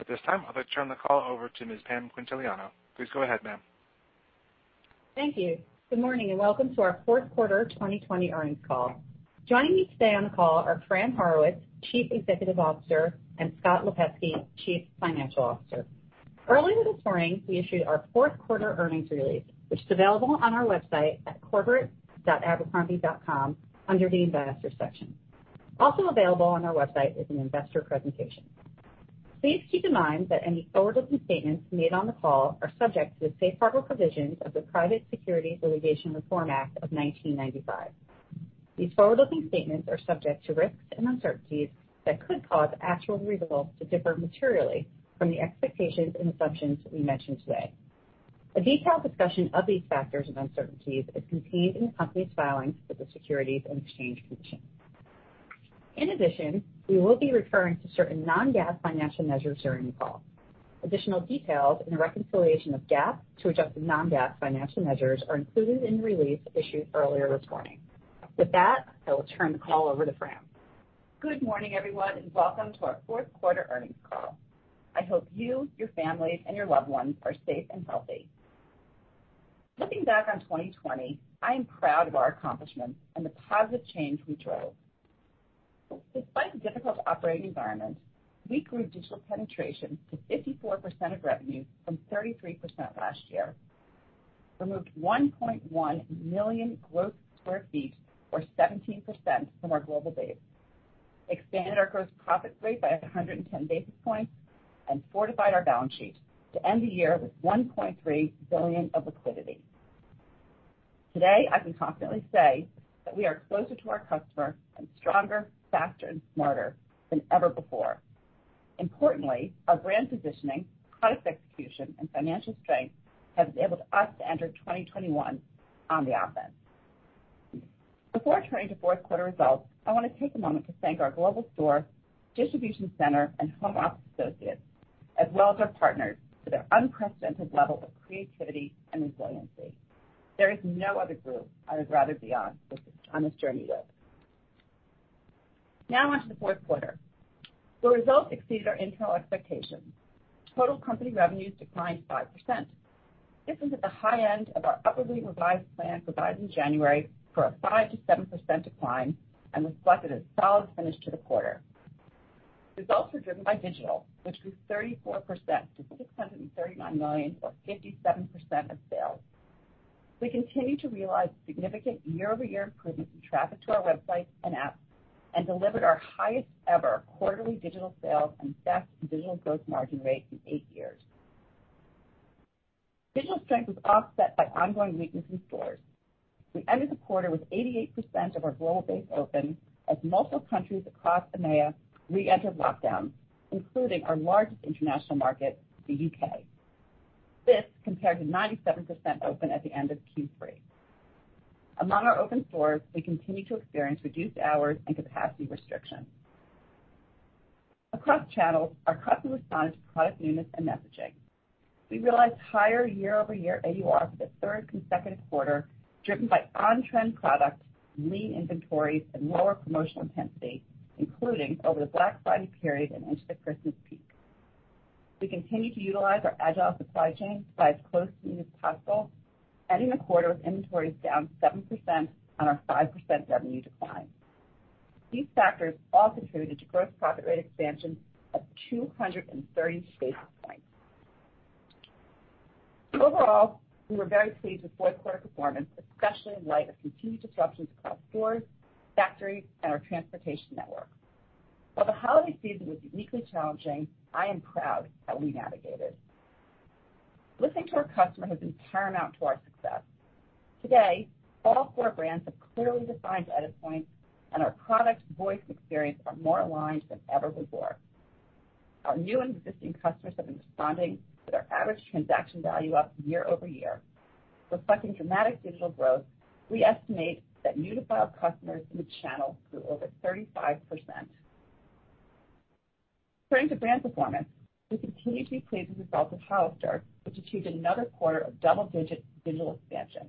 At this time, I'd like to turn the call over to Ms. Pam Quintiliano. Please go ahead, ma'am. Thank you. Good morning, and welcome to our fourth quarter 2020 earnings call. Joining me today on the call are Fran Horowitz, Chief Executive Officer, and Scott Lipesky, Chief Financial Officer. Earlier this morning, we issued our fourth quarter earnings release, which is available on our website at corporate.abercrombie.com under the investor section. Also available on our website is an investor presentation. Please keep in mind that any forward-looking statements made on the call are subject to the safe harbor provisions of the Private Securities Litigation Reform Act of 1995. These forward-looking statements are subject to risks and uncertainties that could cause actual results to differ materially from the expectations and assumptions we mention today. A detailed discussion of these factors and uncertainties is contained in the company's filings with the Securities and Exchange Commission. In addition, we will be referring to certain non-GAAP financial measures during the call. Additional details in the reconciliation of GAAP to adjusted non-GAAP financial measures are included in the release issued earlier this morning. With that, I will turn the call over to Fran. Good morning, everyone, and welcome to our fourth quarter earnings call. I hope you, your families, and your loved ones are safe and healthy. Looking back on 2020, I am proud of our accomplishments and the positive change we drove. Despite the difficult operating environment, we grew digital penetration to 54% of revenue from 33% last year, removed 1.1 million gross square feet, or 17%, from our global base, expanded our gross profit rate by 110 basis points, and fortified our balance sheet to end the year with $1.3 billion of liquidity. Today, I can confidently say that we are closer to our customer and stronger, faster, and smarter than ever before. Importantly, our brand positioning, product execution, and financial strength has enabled us to enter 2021 on the offense. Before turning to fourth quarter results, I want to take a moment to thank our global store, distribution center, and home office associates, as well as our partners for their unprecedented level of creativity and resiliency. There is no other group I would rather be on this journey with. Now onto the fourth quarter. The results exceeded our internal expectations. Total company revenues declined 5%. This is at the high end of our upwardly revised plan provided in January for a 5%-7% decline and reflected a solid finish to the quarter. Results were driven by digital, which grew 34% to $639 million, or 57% of sales. We continue to realize significant year-over-year improvements in traffic to our website and app, and delivered our highest ever quarterly digital sales and best digital gross margin rate in eight years. Digital strength was offset by ongoing weakness in stores. We ended the quarter with 88% of our global base open as multiple countries across EMEA re-entered lockdown, including our largest international market, the U.K. This compared to 97% open at the end of Q3. Among our open stores, we continue to experience reduced hours and capacity restrictions. Across channels, our customer responded to product newness and messaging. We realized higher year-over-year AUR for the third consecutive quarter, driven by on-trend products, lean inventories, and lower promotional intensity, including over the Black Friday period and into the Christmas peak. We continue to utilize our agile supply chain to buy as close to new as possible, ending the quarter with inventories down 7% on our 5% revenue decline. These factors all contributed to gross profit rate expansion of 230 basis points. Overall, we were very pleased with fourth quarter performance, especially in light of continued disruptions across stores, factories, and our transportation network. While the holiday season was uniquely challenging, I am proud how we navigated. Listening to our customer has been paramount to our success. Today, all four brands have clearly defined edit points, and our product voice experience are more aligned than ever before. Our new and existing customers have been responding with our average transaction value up year-over-year. Reflecting dramatic digital growth, we estimate that new-to-file customers in the channel grew over 35%. Turning to brand performance, we continue to be pleased with the results of Hollister, which achieved another quarter of double-digit digital expansion.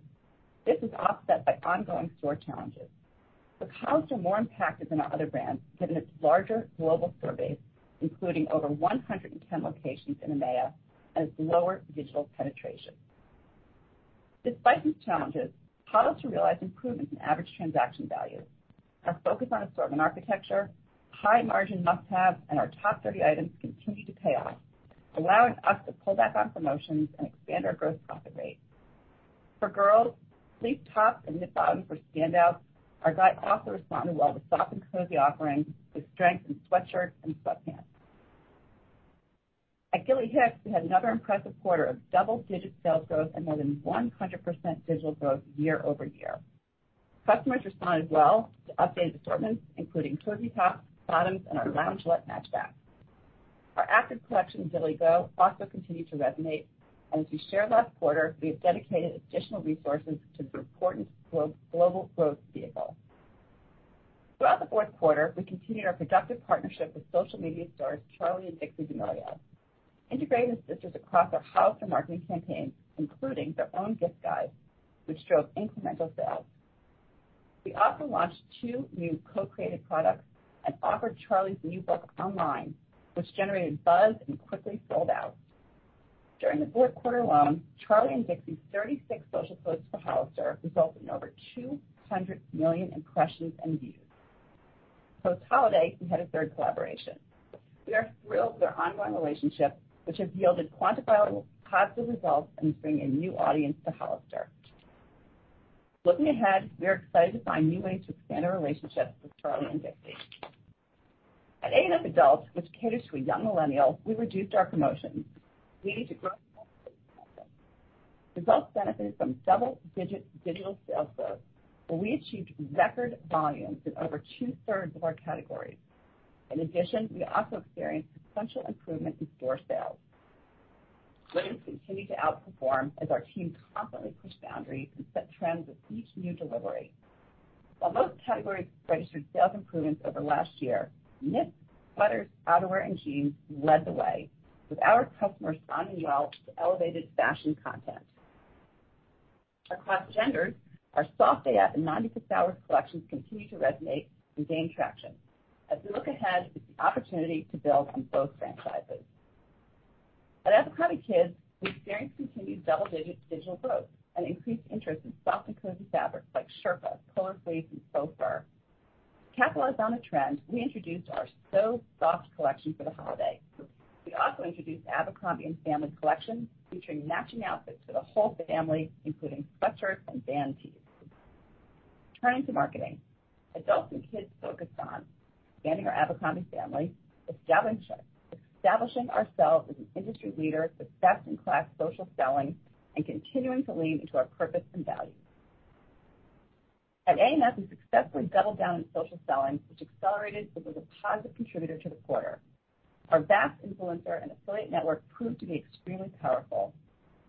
This is offset by ongoing store challenges, with Hollister more impacted than our other brands given its larger global store base, including over 110 locations in EMEA, and its lower digital penetration. Despite these challenges, Hollister realized improvements in average transaction value. Our focus on assortment architecture, high-margin must-haves, and our top 30 items continue to pay off, allowing us to pull back on promotions and expand our gross profit rate. For girls, sleep tops and knit bottoms were standouts. Our guys also responded well to soft and cozy offerings, with strength in sweatshirts and sweatpants. At Gilly Hicks, we had another impressive quarter of double-digit sales growth and more than 100% digital growth year-over-year. Customers responded well to updated assortments, including cozy tops, bottoms, and our lounge-let match back. Our active collection, Gilly Go, also continued to resonate. As we shared last quarter, we have dedicated additional resources to this important global growth vehicle. Throughout the fourth quarter, we continued our productive partnership with social media stars Charli and Dixie D'Amelio, integrating the sisters across our Hollister marketing campaign, including their own gift guide, which drove incremental sales. We also launched two new co-created products and offered Charli's new book online, which generated buzz and quickly sold out. During the fourth quarter alone, Charli and Dixie's 36 social posts for Hollister resulted in over 200 million impressions and views. Post-holiday, we had a third collaboration. We are thrilled with their ongoing relationship, which has yielded quantifiable positive results and is bringing a new audience to Hollister. Looking ahead, we are excited to find new ways to expand our relationships with Charli and Dixie. At A&F Adult, which caters to young millennials, we reduced our promotions. We need to grow. Results benefited from double-digit digital sales growth, where we achieved record volumes in over 2/3 of our categories. In addition, we also experienced substantial improvement in store sales. Women continued to outperform as our team constantly pushed boundaries and set trends with each new delivery. While most categories registered sales improvements over last year, knits, sweaters, outerwear, and jeans led the way, with our customers responding well to elevated fashion content. Across genders, our SoftAF and 96-Hour collections continue to resonate and gain traction. As we look ahead, it's the opportunity to build on both franchises. At Abercrombie Kids, we experienced continued double-digit digital growth and increased interest in soft and cozy fabrics like sherpa, polar fleece, and faux fur. To capitalize on the trend, we introduced our So Soft collection for the holiday. We also introduced Abercrombie & Family collection, featuring matching outfits for the whole family, including sweatshirts and band tees. Turning to marketing. Adults and kids focused on expanding our Abercrombie family, establishing ourselves as an industry leader with best-in-class social selling, and continuing to lean into our purpose and values. At A&F, we successfully doubled down on social selling, which accelerated, which was a positive contributor to the quarter. Our vast influencer and affiliate network proved to be extremely powerful,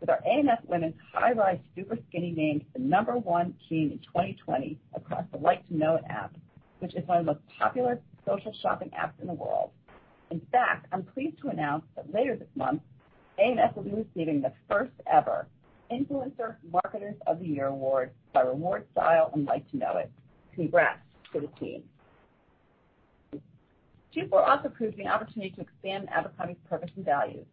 with our A&F women's high-rise super skinny named the number one jean in 2020 across the LikeToKnow.it app, which is one of the most popular social shopping apps in the world. In fact, I'm pleased to announce that later this month, A&F will be receiving the first-ever Influencer Marketers of the Year award by rewardStyle and LikeToKnow.it. Congrats to the team. Q4 also proved the opportunity to expand Abercrombie's purpose and values.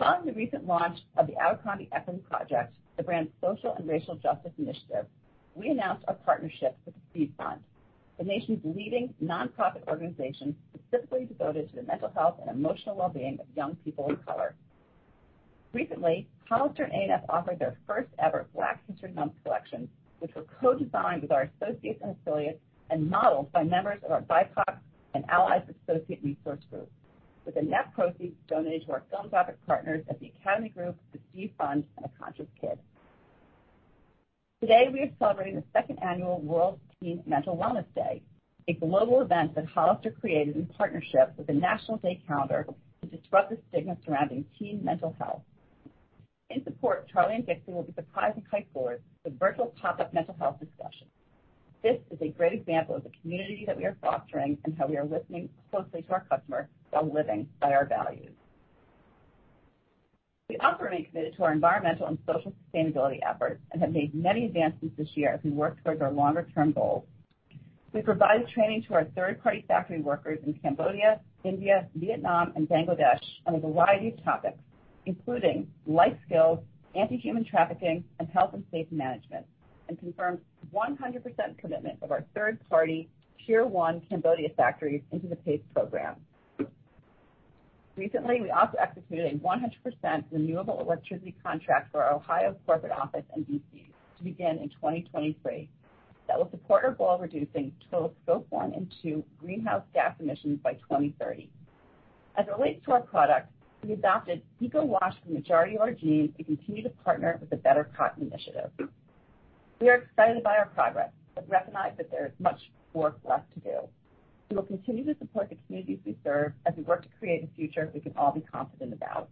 Following the recent launch of The Abercrombie Equity Project, the brand's social and racial justice initiative, we announced a partnership with The Steve Fund, the nation's leading nonprofit organization specifically devoted to the mental health and emotional wellbeing of young people of color. Recently, Hollister and A&F offered their first ever Black History Month collection, which were co-designed with our associates and affiliates and modeled by members of our BIPOC and Allies Associate Resource Group, with the net proceeds donated to our philanthropic partners at The Academy Group, The Steve Fund, and The Conscious Kid. Today, we are celebrating the second annual World Teen Mental Wellness Day, a global event that Hollister created in partnership with the National Day Calendar to disrupt the stigma surrounding teen mental health. In support, Charli and Dixie will be surprise and hype board for the virtual pop-up mental health discussion. This is a great example of the community that we are fostering and how we are listening closely to our customers while living by our values. We also remain committed to our environmental and social sustainability efforts and have made many advances this year as we work towards our longer-term goals. We provided training to our third-party factory workers in Cambodia, India, Vietnam, and Bangladesh on a variety of topics, including life skills, anti-human trafficking, and health and safety management, and confirmed 100% commitment of our third-party tier 1 Cambodia factories into the PACE program. Recently, we also executed a 100% renewable electricity contract for our Ohio corporate office and DCs to begin in 2023. That will support our goal of reducing total scope 1 and 2 greenhouse gas emissions by 2030. As it relates to our products, we adopted Eco Wash for the majority of our jeans and continue to partner with the Better Cotton Initiative. We are excited by our progress but recognize that there is much work left to do. We will continue to support the communities we serve as we work to create a future we can all be confident about.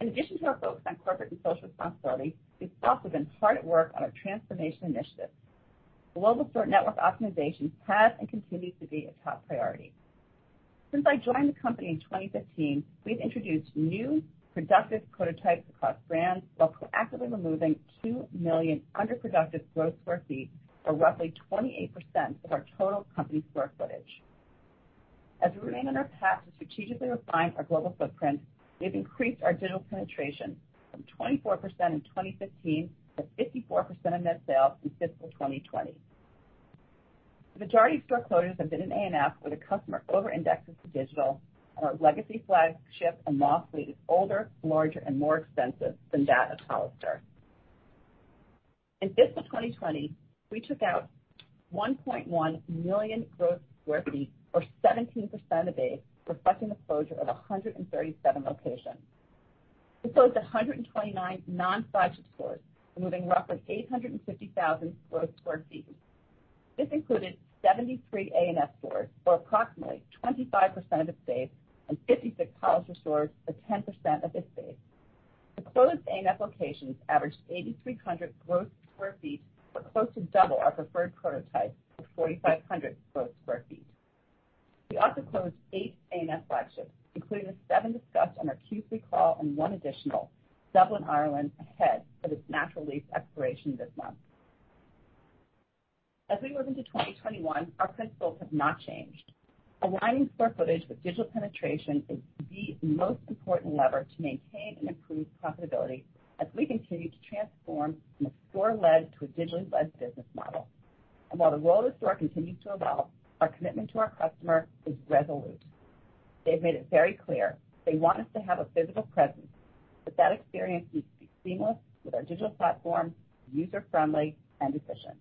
In addition to our focus on corporate and social responsibility, we've also been hard at work on our transformation initiative. Global store network optimization has and continues to be a top priority. Since I joined the company in 2015, we've introduced new productive prototypes across brands while proactively removing 2 million underproductive gross square feet, or roughly 28% of our total company square footage. As we remain on our path to strategically refine our global footprint, we've increased our digital penetration from 24% in 2015 to 54% of net sales in fiscal 2020. The majority of store closures have been in A&F, where the customer overindexes to digital, and our legacy flagship and mall fleet is older, larger, and more expensive than that of Hollister. In fiscal 2020, we took out 1.1 million gross square feet or 17% of base, reflecting the closure of 137 locations. We closed 129 non-flagship stores, removing roughly 850,000 gross square feet. This included 73 A&F stores for approximately 25% of its base and 56 Hollister stores for 10% of its base. The closed A&F locations averaged 8,300 gross square feet or close to double our preferred prototype of 4,500 gross square feet. We also closed eight A&F flagships, including the seven discussed on our Q3 call and one additional, Dublin, Ireland ahead of its natural lease expiration this month. As we move into 2021, our principles have not changed. Aligning store footage with digital penetration is the most important lever to maintain and improve profitability as we continue to transform from a store-led to a digitally-led business model. While the role of store continues to evolve, our commitment to our customer is resolute. They've made it very clear they want us to have a physical presence, but that experience needs to be seamless with our digital platform, user-friendly, and efficient.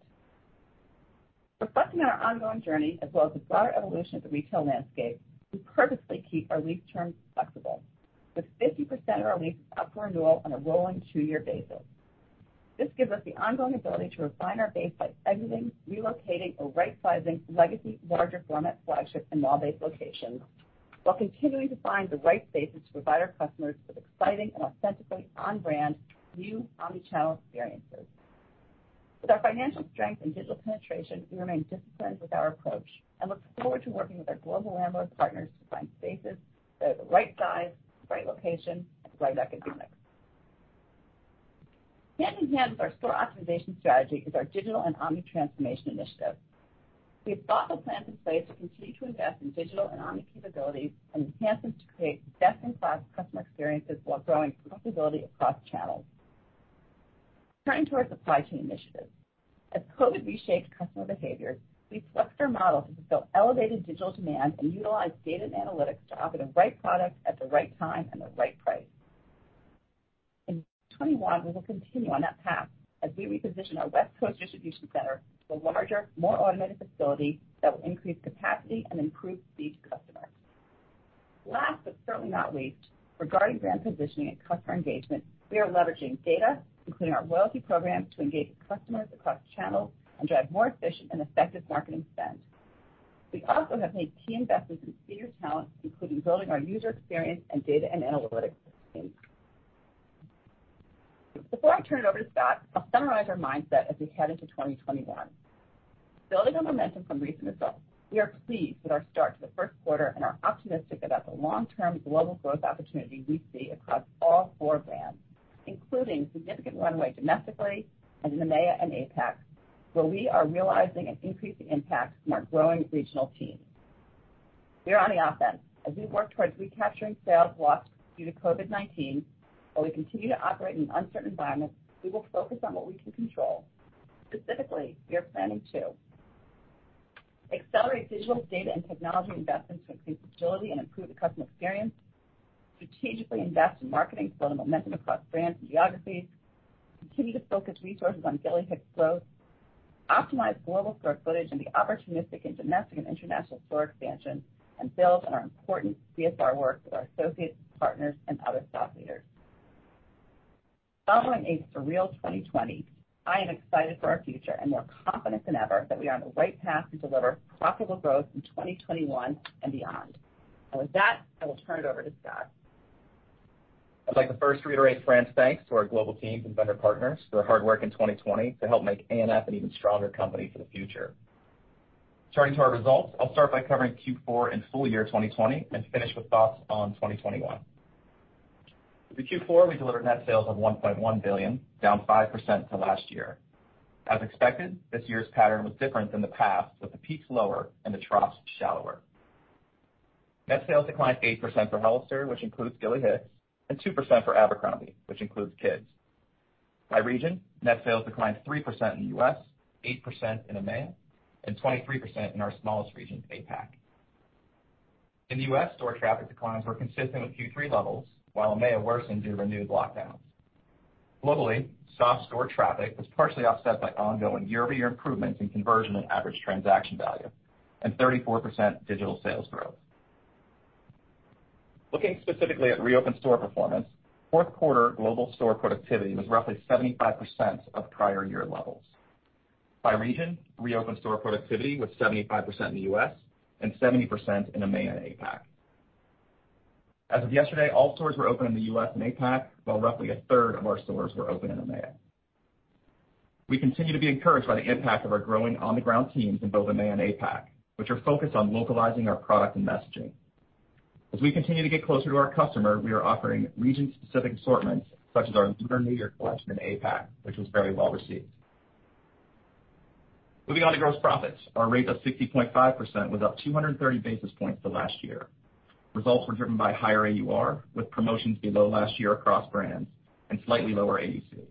Reflecting on our ongoing journey as well as the broader evolution of the retail landscape, we purposely keep our lease terms flexible, with 50% of our leases up for renewal on a rolling two-year basis. This gives us the ongoing ability to refine our base by exiting, relocating, or right sizing legacy larger format flagship and mall base locations, while continuing to find the right spaces to provide our customers with exciting and authentically on brand new omni-channel experiences. With our financial strength and digital penetration, we remain disciplined with our approach and look forward to working with our global landlord partners to find spaces that are the right size, the right location, and the right economic mix. Hand-in-hand with our store optimization strategy is our digital and omni transformation initiative. We have thoughtful plans in place to continue to invest in digital and omni capabilities and enhancements to create best-in-class customer experiences while growing profitability across channels. Turning to our supply chain initiatives. As COVID reshaped customer behaviors, we flexed our model to fulfill elevated digital demand and utilized data and analytics to offer the right product at the right time and the right price. In 2021, we will continue on that path as we reposition our West Coast distribution center to a larger, more automated facility that will increase capacity and improve speed to customer. Last, but certainly not least, regarding brand positioning and customer engagement, we are leveraging data, including our loyalty programs, to engage with customers across channels and drive more efficient and effective marketing spend. We also have made key investments in senior talent, including building our user experience and data and analytics teams. Before I turn it over to Scott, I'll summarize our mindset as we head into 2021. Building on momentum from recent results, we are pleased with our start to the first quarter and are optimistic about the long-term global growth opportunity we see across all four brands, including significant runway domestically and in EMEA and APAC, where we are realizing an increasing impact from our growing regional teams. We are on the offense as we work towards recapturing sales lost due to COVID-19. While we continue to operate in an uncertain environment, we will focus on what we can control. Specifically, we are planning to accelerate digital, data, and technology investments to increase agility and improve the customer experience; strategically invest in marketing to grow the momentum across brands and geographies; continue to focus resources on Gilly Hicks growth; optimize global store footage and be opportunistic in domestic and international store expansion; and build on our important CSR work with our associates, partners, and other thought leaders. Following a surreal 2020, I am excited for our future and more confident than ever that we are on the right path to deliver profitable growth in 2021 and beyond. With that, I will turn it over to Scott. I'd like to first reiterate Fran's thanks to our global teams and vendor partners for their hard work in 2020 to help make A&F an even stronger company for the future. Turning to our results, I'll start by covering Q4 and full year 2020 and finish with thoughts on 2021. For Q4, we delivered net sales of $1.1 billion, down 5% to last year. As expected, this year's pattern was different than the past, with the peaks lower and the troughs shallower. Net sales declined 8% for Hollister, which includes Gilly Hicks, and 2% for Abercrombie, which includes Kids. By region, net sales declined 3% in the U.S., 8% in EMEA, and 23% in our smallest region, APAC. In the U.S., store traffic declines were consistent with Q3 levels, while EMEA worsened due to renewed lockdowns. Globally, soft store traffic was partially offset by ongoing year-over-year improvements in conversion and average transaction value and 34% digital sales growth. Looking specifically at reopened store performance, fourth quarter global store productivity was roughly 75% of prior year levels. By region, reopened store productivity was 75% in the U.S. and 70% in EMEA and APAC. As of yesterday, all stores were open in the U.S. and APAC, while roughly a third of our stores were open in EMEA. We continue to be encouraged by the impact of our growing on-the-ground teams in both EMEA and APAC, which are focused on localizing our product and messaging. As we continue to get closer to our customer, we are offering region-specific assortments, such as our Lunar New Year collection in APAC, which was very well received. Moving on to gross profits. Our rate of 60.5% was up 230 basis points to last year. Results were driven by higher AUR, with promotions below last year across brands and slightly lower AUC.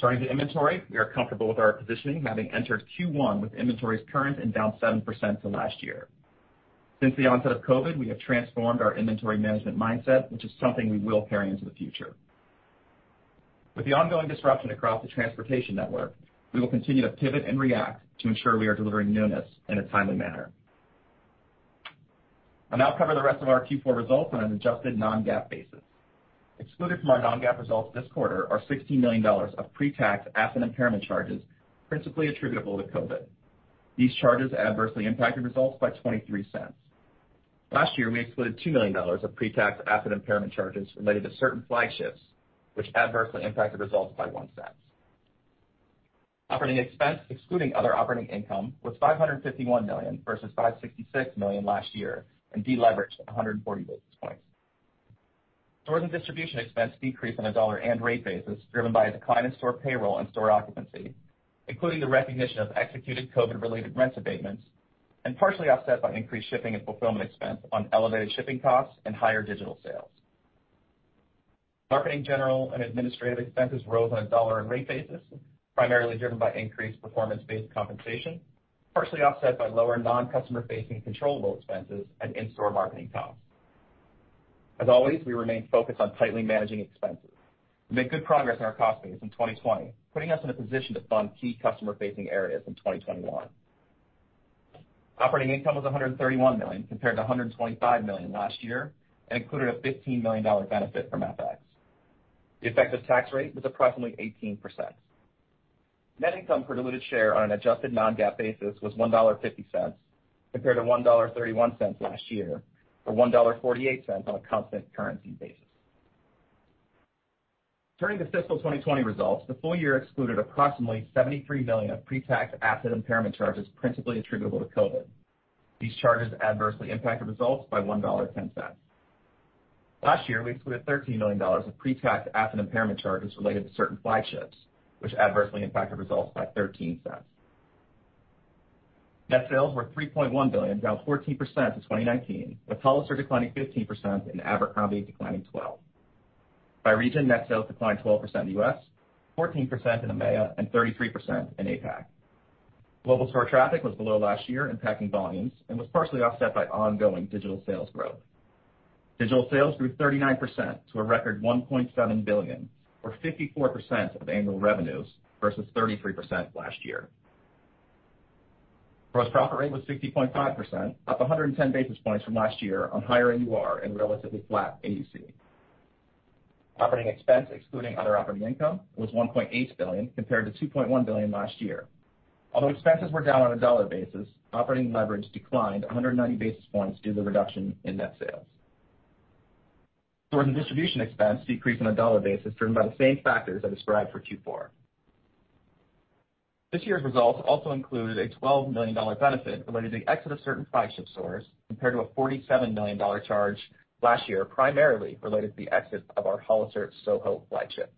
Turning to inventory, we are comfortable with our positioning, having entered Q1 with inventories current and down 7% to last year. Since the onset of COVID, we have transformed our inventory management mindset, which is something we will carry into the future. With the ongoing disruption across the transportation network, we will continue to pivot and react to ensure we are delivering newness in a timely manner. I'll now cover the rest of our Q4 results on an adjusted non-GAAP basis. Excluded from our non-GAAP results this quarter are $16 million of pre-tax asset impairment charges principally attributable to COVID. These charges adversely impacted results by $0.23. Last year, we excluded $2 million of pre-tax asset impairment charges related to certain flagships, which adversely impacted results by $0.01. Operating expense, excluding other operating income, was $551 million versus $566 million last year and deleveraged 140 basis points. Store and distribution expense decreased on a dollar and rate basis, driven by a decline in store payroll and store occupancy, including the recognition of executed COVID related rent abatements, and partially offset by increased shipping and fulfillment expense on elevated shipping costs and higher digital sales. Marketing, general, and administrative expenses rose on a dollar and rate basis, primarily driven by increased performance-based compensation, partially offset by lower non-customer facing controllable expenses and in-store marketing costs. As always, we remain focused on tightly managing expenses. We made good progress on our cost base in 2020, putting us in a position to fund key customer-facing areas in 2021. Operating income was $131 million, compared to $125 million last year, included a $15 million benefit from FX. The effective tax rate was approximately 18%. Net income per diluted share on an adjusted non-GAAP basis was $1.50, compared to $1.31 last year, or $1.48 on a constant currency basis. Turning to fiscal 2020 results, the full year excluded approximately $73 million of pre-tax asset impairment charges principally attributable to COVID. These charges adversely impacted results by $1.10. Last year, we excluded $13 million of pre-tax asset impairment charges related to certain flagships, which adversely impacted results by $0.13. Net sales were $3.1 billion, down 14% to 2019, with Hollister declining 15% and Abercrombie declining 12%. By region, net sales declined 12% in U.S., 14% in EMEA, and 33% in APAC. Global store traffic was below last year, impacting volumes, was partially offset by ongoing digital sales growth. Digital sales grew 39% to a record $1.7 billion, or 54% of annual revenues, versus 33% last year. Gross profit rate was 60.5%, up 110 basis points from last year on higher AUR and relatively flat AUC. Operating expense, excluding other operating income, was $1.8 billion, compared to $2.1 billion last year. Although expenses were down on a dollar basis, operating leverage declined 190 basis points due to the reduction in net sales. Store and distribution expense decreased on a dollar basis driven by the same factors I described for Q4. This year's results also include a $12 million benefit related to the exit of certain flagship stores, compared to a $47 million charge last year, primarily related to the exit of our Hollister Soho flagship.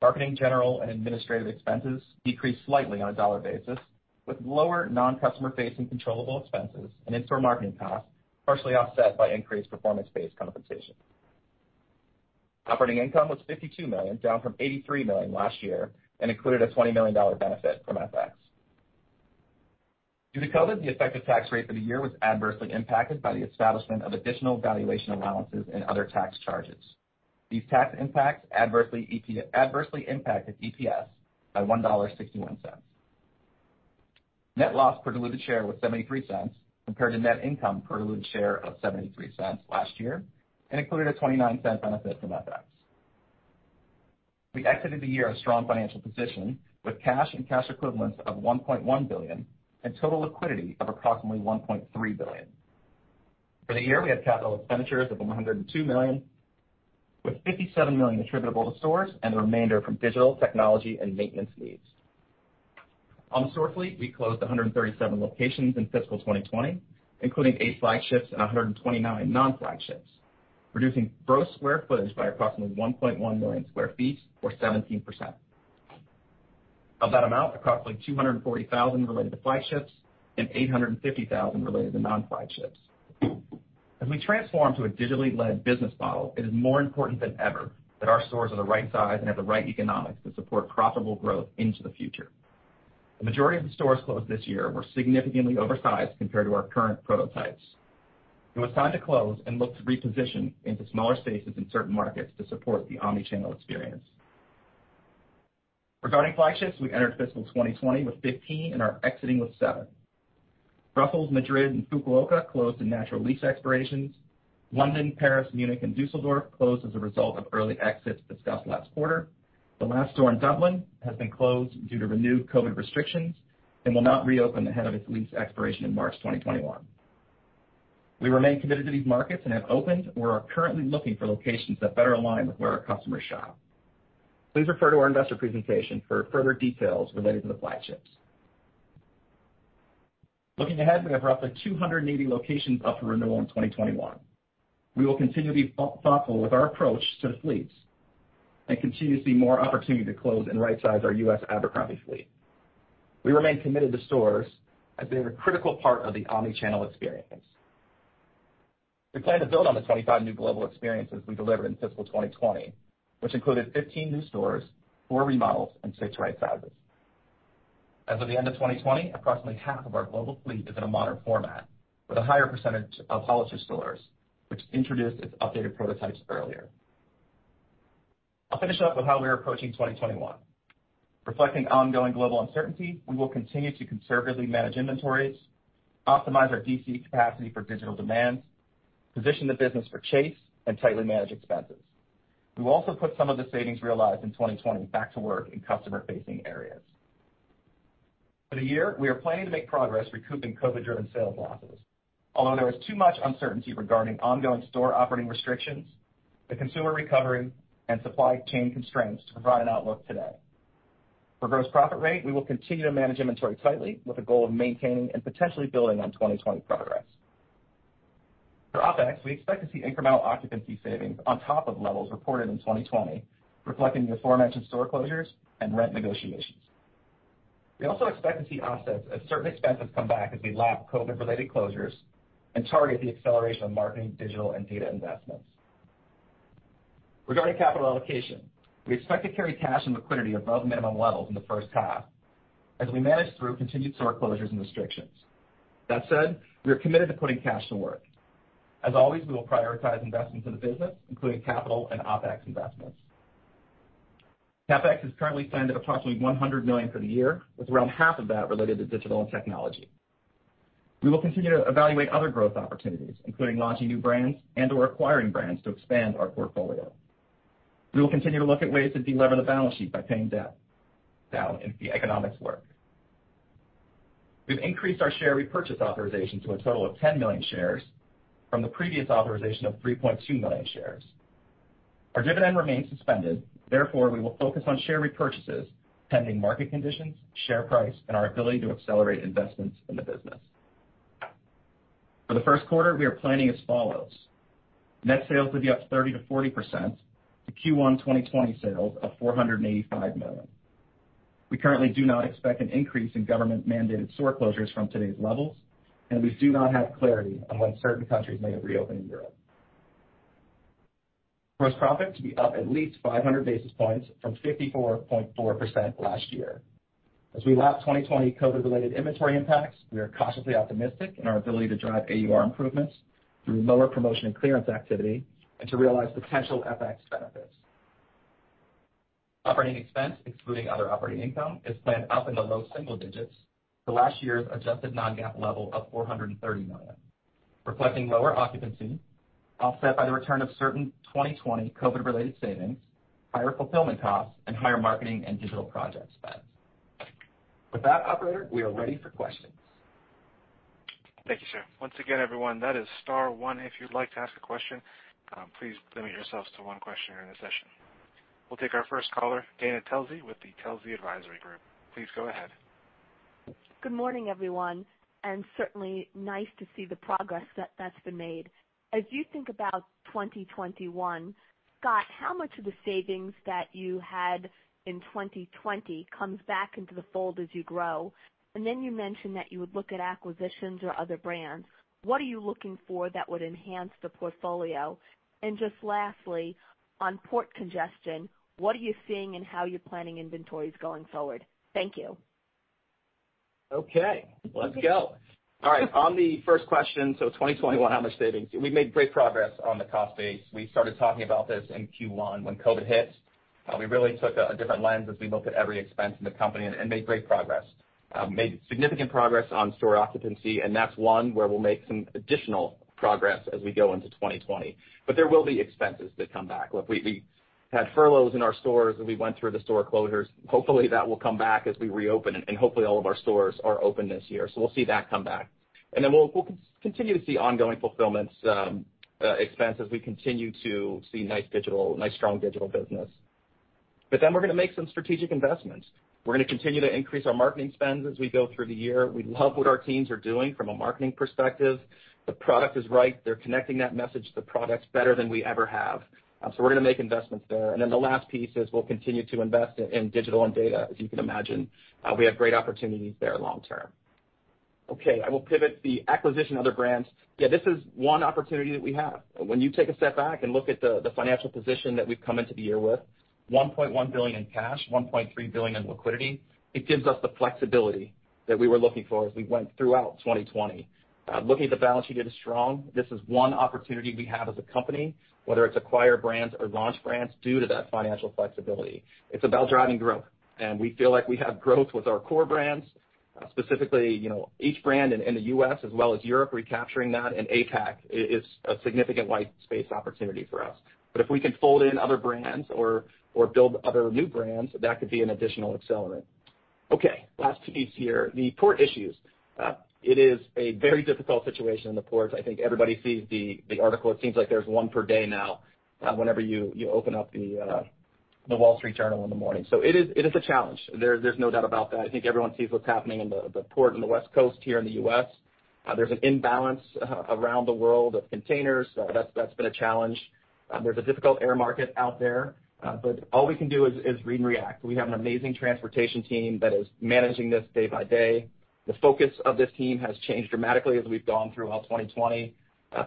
Marketing, general and administrative expenses decreased slightly on a dollar basis, with lower non-customer facing controllable expenses and in-store marketing costs partially offset by increased performance-based compensation. Operating income was $52 million, down from $83 million last year, and included a $20 million benefit from FX. Due to COVID, the effective tax rate for the year was adversely impacted by the establishment of additional valuation allowances and other tax charges. These tax impacts adversely impacted EPS by $1.61. Net loss per diluted share was $0.73, compared to net income per diluted share of $0.73 last year, and included a $0.29 benefit from FX. We exited the year in a strong financial position with cash and cash equivalents of $1.1 billion and total liquidity of approximately $1.3 billion. For the year, we had capital expenditures of $102 million, with $57 million attributable to stores and the remainder from digital technology and maintenance needs. On the store fleet, we closed 137 locations in fiscal 2020, including eight flagships and 129 non-flagships, reducing gross square footage by approximately 1.1 million square feet or 17%. Of that amount, approximately 240,000 related to flagships and 850,000 related to non-flagships. As we transform to a digitally led business model, it is more important than ever that our stores are the right size and have the right economics to support profitable growth into the future. The majority of the stores closed this year were significantly oversized compared to our current prototypes. It was time to close and look to reposition into smaller spaces in certain markets to support the omni-channel experience. Regarding flagships, we entered fiscal 2020 with 15 and are exiting with seven. Brussels, Madrid, and Fukuoka closed in natural lease expirations. London, Paris, Munich, and Düsseldorf closed as a result of early exits discussed last quarter. The last store in Dublin has been closed due to renewed COVID restrictions and will not reopen ahead of its lease expiration in March 2021. We remain committed to these markets and have opened or are currently looking for locations that better align with where our customers shop. Please refer to our investor presentation for further details related to the flagships. Looking ahead, we have roughly 280 locations up for renewal in 2021. We will continue to be thoughtful with our approach to the fleets and continue to see more opportunity to close and rightsize our U.S. Abercrombie fleet. We remain committed to stores as being a critical part of the omni-channel experience. We plan to build on the 25 new global experiences we delivered in fiscal 2020, which included 15 new stores, four remodels, and six right sizes. As of the end of 2020, approximately half of our global fleet is in a modern format with a higher percentage of Hollister stores, which introduced its updated prototypes earlier. I'll finish up with how we are approaching 2021. Reflecting ongoing global uncertainty, we will continue to conservatively manage inventories, optimize our DC capacity for digital demands, position the business for chase, and tightly manage expenses. We will also put some of the savings realized in 2020 back to work in customer-facing areas. For the year, we are planning to make progress recouping COVID-driven sales losses. There is too much uncertainty regarding ongoing store operating restrictions, the consumer recovery, and supply chain constraints to provide an outlook today. For gross profit rate, we will continue to manage inventory tightly with a goal of maintaining and potentially building on 2020 progress. For OpEx, we expect to see incremental occupancy savings on top of levels reported in 2020, reflecting the aforementioned store closures and rent negotiations. We also expect to see offsets as certain expenses come back as we lap COVID related closures and target the acceleration of marketing, digital, and data investments. Regarding capital allocation, we expect to carry cash and liquidity above minimum levels in the first half as we manage through continued store closures and restrictions. We are committed to putting cash to work. As always, we will prioritize investments in the business, including capital and OpEx investments. CapEx is currently planned at approximately $100 million for the year, with around half of that related to digital and technology. We will continue to evaluate other growth opportunities, including launching new brands and/or acquiring brands to expand our portfolio. We will continue to look at ways to de-lever the balance sheet by paying debt down if the economics work. We've increased our share repurchase authorization to a total of 10 million shares from the previous authorization of 3.2 million shares. Our dividend remains suspended, therefore, we will focus on share repurchases pending market conditions, share price, and our ability to accelerate investments in the business. For the first quarter, we are planning as follows. Net sales to be up 30%-40% to Q1 2020 sales of $485 million. We currently do not expect an increase in government mandated store closures from today's levels, and we do not have clarity on when certain countries may have reopened in Europe. Gross profit to be up at least 500 basis points from 54.4% last year. As we lap 2020 COVID related inventory impacts, we are cautiously optimistic in our ability to drive AUR improvements through lower promotion and clearance activity and to realize potential FX benefits. Operating expense, excluding other operating income, is planned up in the low single digits to last year's adjusted non-GAAP level of $430 million, reflecting lower occupancy offset by the return of certain 2020 COVID related savings, higher fulfillment costs, and higher marketing and digital project spend. With that, operator, we are ready for questions. Thank you, sir. Once again, everyone, that is star one if you'd like to ask a question. Please limit yourselves to one question during the session. We'll take our first caller, Dana Telsey with the Telsey Advisory Group. Please go ahead. Good morning, everyone. Certainly nice to see the progress that's been made. As you think about 2021, Scott, how much of the savings that you had in 2020 comes back into the fold as you grow? You mentioned that you would look at acquisitions or other brands. What are you looking for that would enhance the portfolio? Just lastly, on port congestion, what are you seeing in how you're planning inventories going forward? Thank you. Okay. Let's go. All right. On the first question, 2021, how much savings? We made great progress on the cost base. We started talking about this in Q1 when COVID hit. We really took a different lens as we looked at every expense in the company and made great progress. Made significant progress on store occupancy, that's one where we'll make some additional progress as we go into 2020. There will be expenses that come back. Look, we had furloughs in our stores as we went through the store closures. Hopefully, that will come back as we reopen, hopefully all of our stores are open this year. We'll see that come back. We'll continue to see ongoing fulfillments expense as we continue to see nice strong digital business. We're going to make some strategic investments. We're going to continue to increase our marketing spends as we go through the year. We love what our teams are doing from a marketing perspective. The product is right. They're connecting that message to products better than we ever have. We're going to make investments there. The last piece is we'll continue to invest in digital and data. As you can imagine, we have great opportunities there long term. Okay, I will pivot the acquisition, other brands. Yeah, this is one opportunity that we have. When you take a step back and look at the financial position that we've come into the year with, $1.1 billion in cash, $1.3 billion in liquidity, it gives us the flexibility that we were looking for as we went throughout 2020. Looking at the balance sheet, it is strong. This is one opportunity we have as a company, whether it's acquire brands or launch brands, due to that financial flexibility. It's about driving growth, and we feel like we have growth with our core brands, specifically each brand in the U.S. as well as Europe, recapturing that in APAC is a significant white space opportunity for us. If we can fold in other brands or build other new brands, that could be an additional accelerant. Okay, last piece here, the port issues. It is a very difficult situation in the ports. I think everybody sees the article. It seems like there's one per day now whenever you open up The Wall Street Journal in the morning. It is a challenge. There's no doubt about that. I think everyone sees what's happening in the port in the West Coast here in the U.S. There's an imbalance around the world of containers. That's been a challenge. There's a difficult air market out there. All we can do is read and react. We have an amazing transportation team that is managing this day by day. The focus of this team has changed dramatically as we've gone throughout 2020.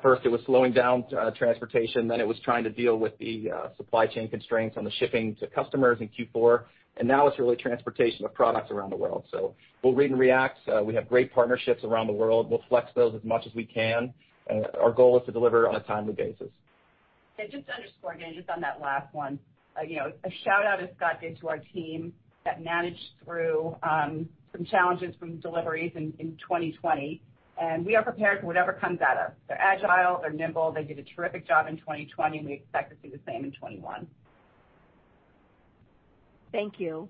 First it was slowing down transportation, then it was trying to deal with the supply chain constraints on the shipping to customers in Q4, and now it's really transportation of products around the world. We'll read and react. We have great partnerships around the world. We'll flex those as much as we can. Our goal is to deliver on a timely basis. Yeah, just to underscore, Dana, just on that last one. A shout out, as Scott did, to our team that managed through some challenges from deliveries in 2020. We are prepared for whatever comes at us. They're agile, they're nimble. They did a terrific job in 2020. We expect to see the same in 2021. Thank you.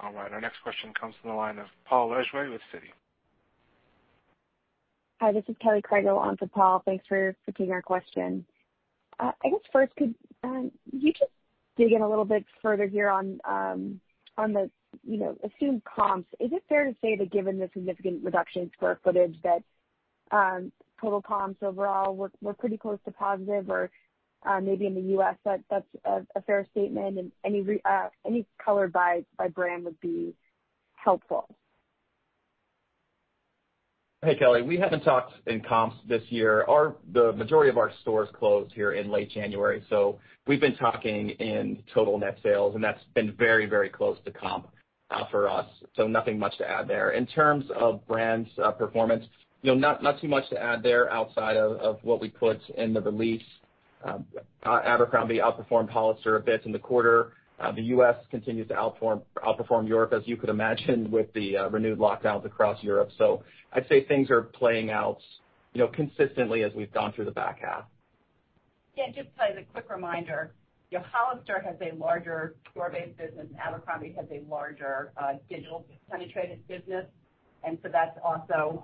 All right, our next question comes from the line of Paul Lejuez with Citi. Hi, this is Kelly Crago on for Paul. Thanks for taking our question. I guess first, could you just dig in a little bit further here on the assumed comps? Is it fair to say that given the significant reductions for our footage, that total comps overall were pretty close to positive? Maybe in the U.S., that's a fair statement, and any color by brand would be helpful. Hey, Kelly. We haven't talked in comps this year. The majority of our stores closed here in late January, so we've been talking in total net sales, and that's been very close to comp for us, so nothing much to add there. In terms of brands performance, not too much to add there outside of what we put in the release. Abercrombie outperformed Hollister a bit in the quarter. The U.S. continues to outperform Europe, as you could imagine, with the renewed lockdowns across Europe. I'd say things are playing out consistently as we've gone through the back half. Yeah. Just as a quick reminder, Hollister has a larger store-based business, and Abercrombie has a larger digital penetrated business. That's also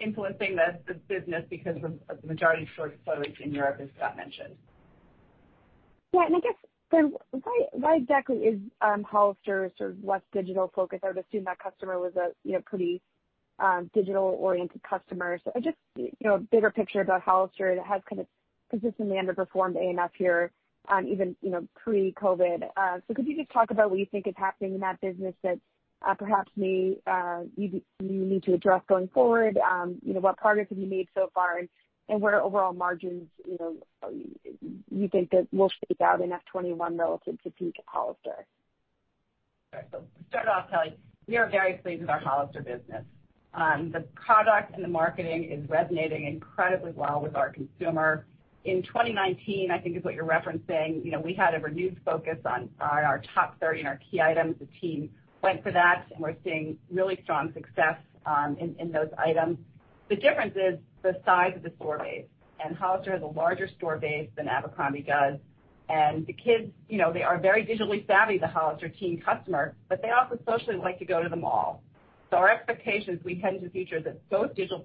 influencing the business because of the majority of stores closed in Europe, as Scott mentioned. I guess why exactly is Hollister sort of less digital focused? I would assume that customer was a pretty digital-oriented customer. Just a bigger picture about Hollister that has kind of consistently underperformed A&F here, even pre-COVID. Could you just talk about what you think is happening in that business that perhaps you need to address going forward? What progress have you made so far, and where overall margins you think that will shake out in FY 2021 relative to peak Hollister? Right. To start off, Kelly, we are very pleased with our Hollister business. The product and the marketing is resonating incredibly well with our consumer. In 2019, I think is what you're referencing, we had a renewed focus on our top 30 and our key items. The team went for that, and we're seeing really strong success in those items. The difference is the size of the store base, and Hollister has a larger store base than Abercrombie does. The kids, they are very digitally savvy, the Hollister teen customer, but they also socially like to go to the mall. Our expectation as we head into future that both digital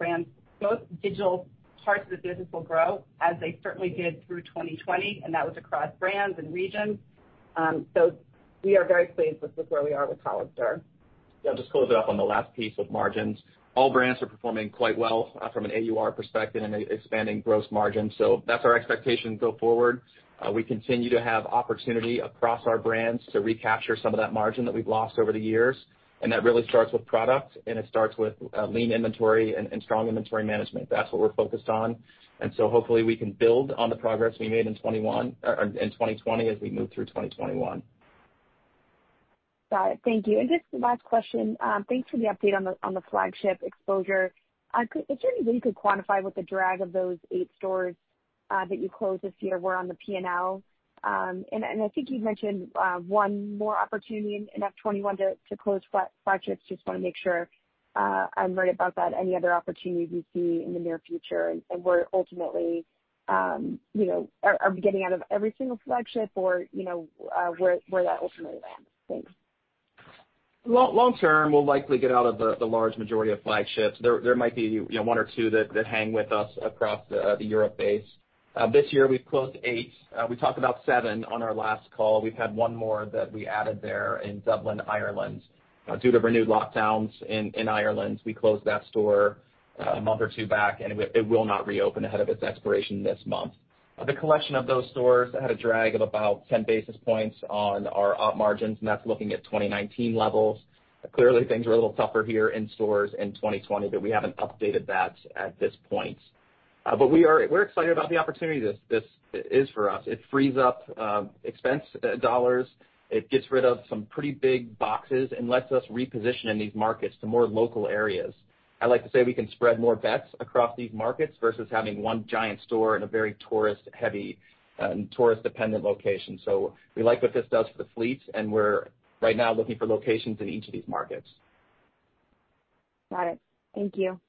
parts of the business will grow as they certainly did through 2020, and that was across brands and regions. We are very pleased with where we are with Hollister. Yeah, I'll just close it up on the last piece with margins. All brands are performing quite well from an AUR perspective and expanding gross margin, so that's our expectation go forward. We continue to have opportunity across our brands to recapture some of that margin that we've lost over the years, and that really starts with product, and it starts with lean inventory and strong inventory management. That's what we're focused on, and so hopefully we can build on the progress we made in 2020 as we move through 2021. Got it. Thank you. Just last question. Thanks for the update on the flagship exposure. Is there any way you could quantify what the drag of those eight stores that you closed this year were on the P&L? I think you've mentioned one more opportunity in FY 2021 to close flagships. Just want to make sure I'm right about that. Any other opportunities you see in the near future and where ultimately are we getting out of every single flagship or where that ultimately lands? Thanks. Long term, we'll likely get out of the large majority of flagships. There might be one or two that hang with us across the Europe base. This year we've closed eight. We talked about seven on our last call. We've had one more that we added there in Dublin, Ireland. Due to renewed lockdowns in Ireland, we closed that store a month or two back, and it will not reopen ahead of its expiration this month. The collection of those stores had a drag of about 10 basis points on our op margins, and that's looking at 2019 levels. Clearly, things are a little tougher here in stores in 2020, but we haven't updated that at this point. We're excited about the opportunity this is for us. It frees up expense dollars. It gets rid of some pretty big boxes and lets us reposition in these markets to more local areas. I'd like to say we can spread more bets across these markets versus having one giant store in a very tourist-heavy and tourist-dependent location. We like what this does for the fleet, and we're right now looking for locations in each of these markets. Got it. Thank you.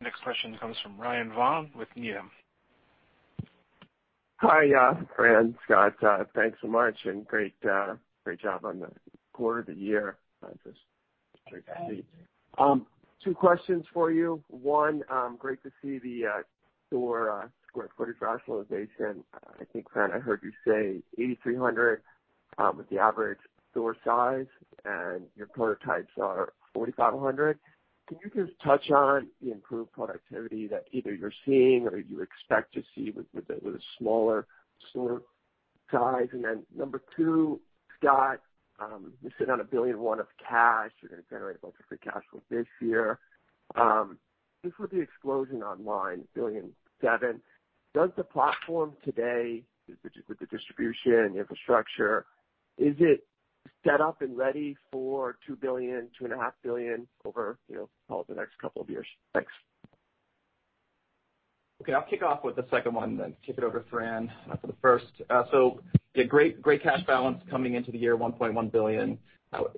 Next question comes from Ryan Vaughan with Needham. Hi, Fran, Scott. Thanks so much and great job on the quarter, the year. Great to see. Two questions for you. One, great to see the store square footage rationalization. I think, Fran, I heard you say 8,300 with the average store size and your prototypes are 4,500. Can you just touch on the improved productivity that either you're seeing or you expect to see with the smaller store size? Number two, Scott, you sit on a $1.1 billion of cash. You're going to generate lots of free cash flow this year. With the explosion online, $1.7 billion, does the platform today, with the distribution and infrastructure, is it set up and ready for $2 billion, $2.5 billion over call it the next couple of years? Thanks. Okay, I'll kick off with the second one, then kick it over to Fran for the first. Yeah, great cash balance coming into the year, $1.1 billion.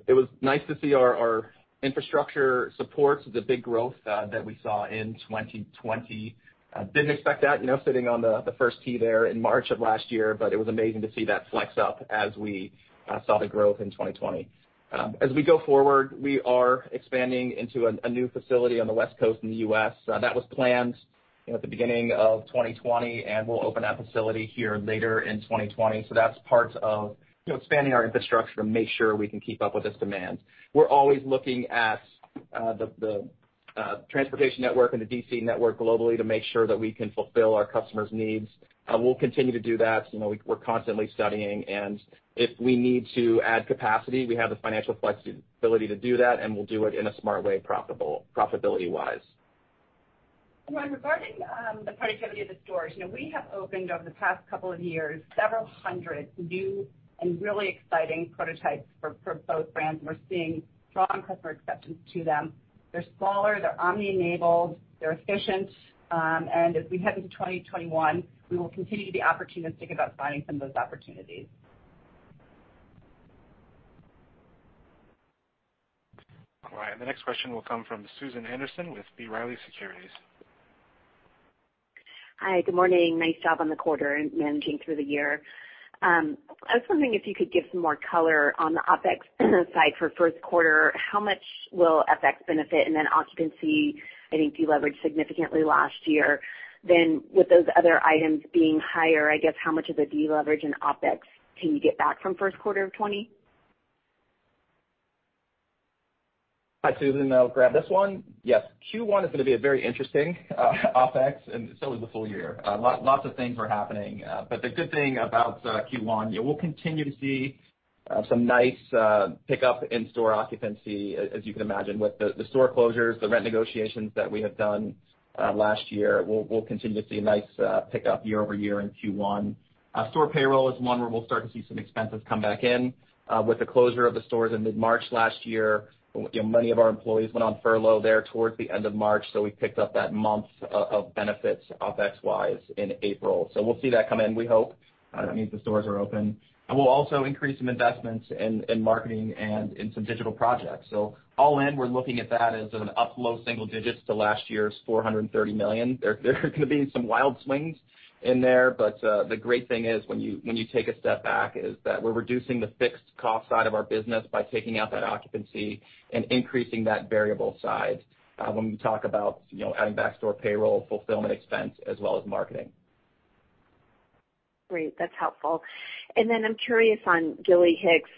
It was nice to see our infrastructure support the big growth that we saw in 2020. Didn't expect that, sitting on the first T there in March of last year, but it was amazing to see that flex up as we saw the growth in 2020. As we go forward, we are expanding into a new facility on the West Coast in the U.S. That was planned at the beginning of 2020, and we'll open that facility here later in 2020. That's part of expanding our infrastructure to make sure we can keep up with this demand. We're always looking at the transportation network and the DC network globally to make sure that we can fulfill our customers' needs. We'll continue to do that. We're constantly studying, and if we need to add capacity, we have the financial flexibility to do that, and we'll do it in a smart way, profitability-wise. Ryan, regarding the productivity of the stores, we have opened over the past couple of years, several hundred new and really exciting prototypes for both brands. We're seeing strong customer acceptance to them. They're smaller, they're omni-enabled, they're efficient. As we head into 2021, we will continue the opportunity to think about signing some of those opportunities. All right. The next question will come from Susan Anderson with B. Riley Securities. Hi. Good morning. Nice job on the quarter and managing through the year. I was wondering if you could give some more color on the OpEx side for first quarter, how much will FX benefit? Occupancy, I think, deleveraged significantly last year. With those other items being higher, I guess how much of a deleverage in OpEx can you get back from first quarter of 2020? Hi, Susan. I'll grab this one. Yes. Q1 is going to be a very interesting OpEx, and so is the full year. Lots of things are happening. The good thing about Q1, we'll continue to see some nice pickup in store occupancy, as you can imagine, with the store closures, the rent negotiations that we have done last year. We'll continue to see a nice pickup year-over-year in Q1. Store payroll is one where we'll start to see some expenses come back in. With the closure of the stores in mid-March last year, many of our employees went on furlough there towards the end of March, so we picked up that month of benefits OpEx wise in April. We'll see that come in, we hope. That means the stores are open. We'll also increase some investments in marketing and in some digital projects. All in, we're looking at that as an up low single digits to last year's $430 million. There are going to be some wild swings in there, but the great thing is, when you take a step back, is that we're reducing the fixed cost side of our business by taking out that occupancy and increasing that variable side when we talk about adding back store payroll, fulfillment expense, as well as marketing. Great. That's helpful. I'm curious on Gilly Hicks,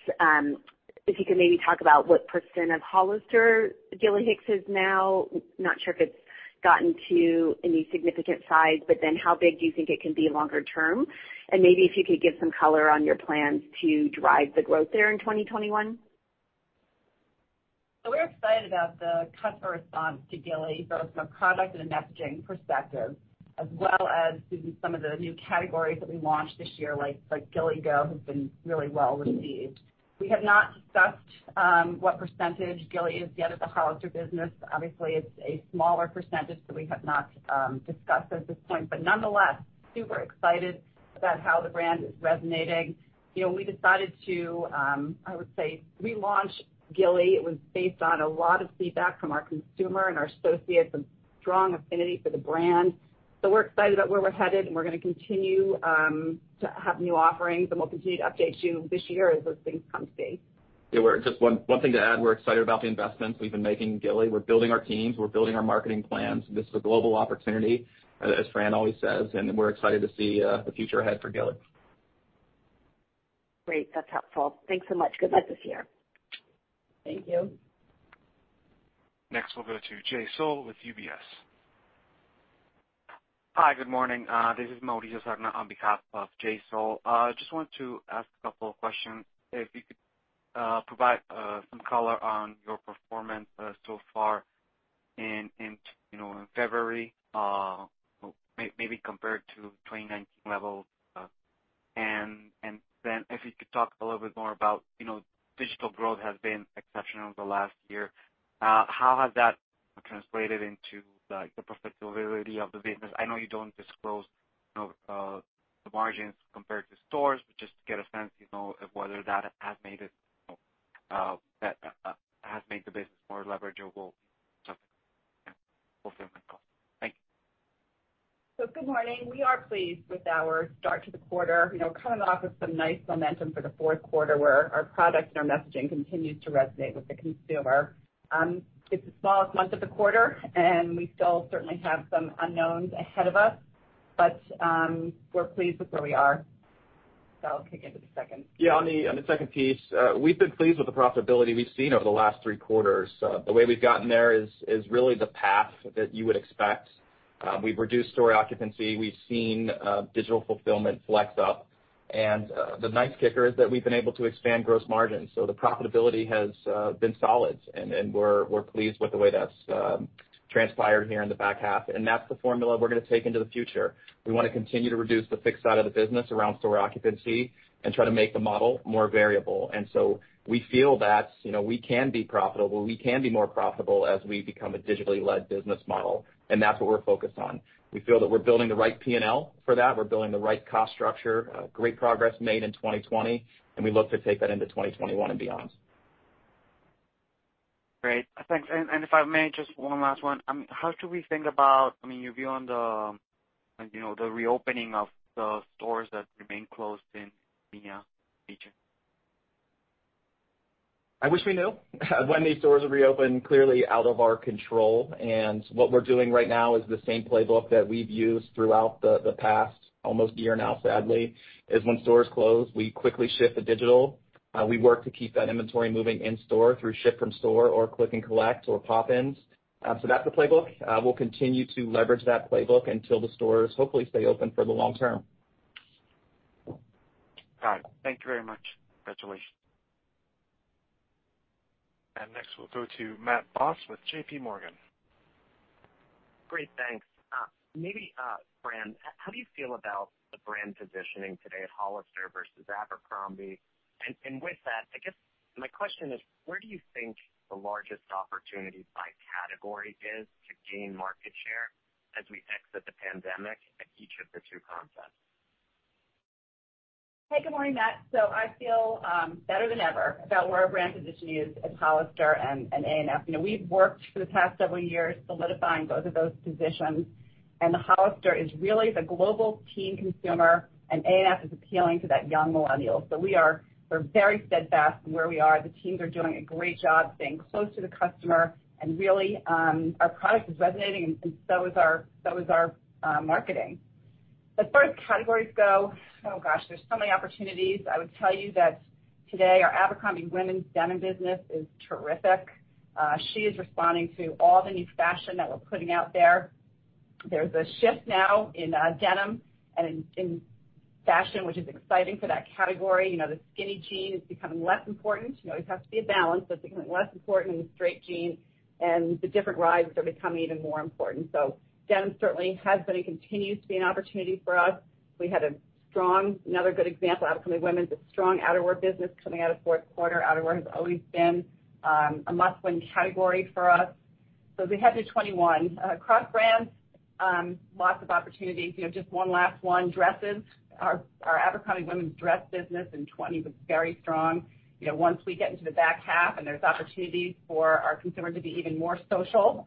if you could maybe talk about what percent of Hollister Gilly Hicks is now. Not sure if it's gotten to any significant size, how big do you think it can be longer term? Maybe if you could give some color on your plans to drive the growth there in 2021. We're excited about the customer response to Gilly, both from a product and a messaging perspective, as well as some of the new categories that we launched this year, like Gilly Go, have been really well received. We have not discussed what percentage Gilly is yet of the Hollister business. Obviously, it's a smaller percentage that we have not discussed at this point, but nonetheless, super excited about how the brand is resonating. We decided to, I would say, relaunch Gilly. It was based on a lot of feedback from our consumer and our associates, a strong affinity for the brand. We're excited about where we're headed, and we're going to continue to have new offerings, and we'll continue to update you this year as those things come to be. Yeah. Just one thing to add. We're excited about the investments we've been making in Gilly. We're building our teams. We're building our marketing plans. This is a global opportunity, as Fran always says, and we're excited to see the future ahead for Gilly. Great. That's helpful. Thanks so much. Good luck this year. Thank you. Next, we'll go to Jay Sole with UBS. Hi. Good morning. This is Mauricio Serna on behalf of Jay Sole. Just wanted to ask a couple of questions. If you could provide some color on your performance so far in February, maybe compared to 2019 levels. If you could talk a little bit more about digital growth has been exceptional over the last year. How has that translated into the profitability of the business? I know you don't disclose the margins compared to stores, but just to get a sense of whether that has made the business more leverageable. Thank you. Good morning. We are pleased with our start to the quarter. Coming off of some nice momentum for the fourth quarter, where our products and our messaging continues to resonate with the consumer. It's the smallest month of the quarter, and we still certainly have some unknowns ahead of us, but we're pleased with where we are. I'll kick it to the second. Yeah, on the second piece, we've been pleased with the profitability we've seen over the last three quarters. The way we've gotten there is really the path that you would expect. We've reduced store occupancy, we've seen digital fulfillment flex up, and the nice kicker is that we've been able to expand gross margin. The profitability has been solid, and we're pleased with the way that's transpired here in the back half. That's the formula we're going to take into the future. We want to continue to reduce the fixed side of the business around store occupancy and try to make the model more variable. We feel that we can be profitable, we can be more profitable as we become a digitally led business model, and that's what we're focused on. We feel that we're building the right P&L for that. We're building the right cost structure. Great progress made in 2020, and we look to take that into 2021 and beyond. Great. Thanks. If I may, just one last one. How should we think about your view on the reopening of the stores that remain closed in EMEA region? I wish we knew when these stores would reopen, clearly out of our control. What we're doing right now is the same playbook that we've used throughout the past almost year now, sadly, is when stores close, we quickly shift to digital. We work to keep that inventory moving in store through ship from store or click and collect or pop-ins. That's the playbook. We'll continue to leverage that playbook until the stores hopefully stay open for the long term. Got it. Thank you very much. Next, we'll go to Matt Boss with JPMorgan. Great. Thanks. Maybe Fran, how do you feel about the brand positioning today at Hollister versus Abercrombie? With that, I guess my question is, where do you think the largest opportunity by category is to gain market share as we exit the pandemic at each of the two concepts? Hey, good morning, Matt. I feel better than ever about where our brand positioning is at Hollister and A&F. We've worked for the past several years solidifying both of those positions. Hollister is really the global teen consumer, and A&F is appealing to that young millennial. We're very steadfast in where we are. The teams are doing a great job staying close to the customer, and really, our product is resonating and so is our marketing. As far as categories go, oh, gosh, there's so many opportunities. I would tell you that today our Abercrombie women's denim business is terrific. She is responding to all the new fashion that we're putting out there. There's a shift now in denim and in fashion, which is exciting for that category. The skinny jean is becoming less important. It always has to be a balance, but it's becoming less important than the straight jean, and the different rises are becoming even more important. Denim certainly has been and continues to be an opportunity for us. We had a strong, another good example, Abercrombie women's, a strong outerwear business coming out of fourth quarter. Outerwear has always been a must-win category for us. As we head to 2021, across brands, lots of opportunities. Just one last one, dresses. Our Abercrombie women's dress business in 2020 was very strong. Once we get into the back half and there's opportunity for our consumer to be even more social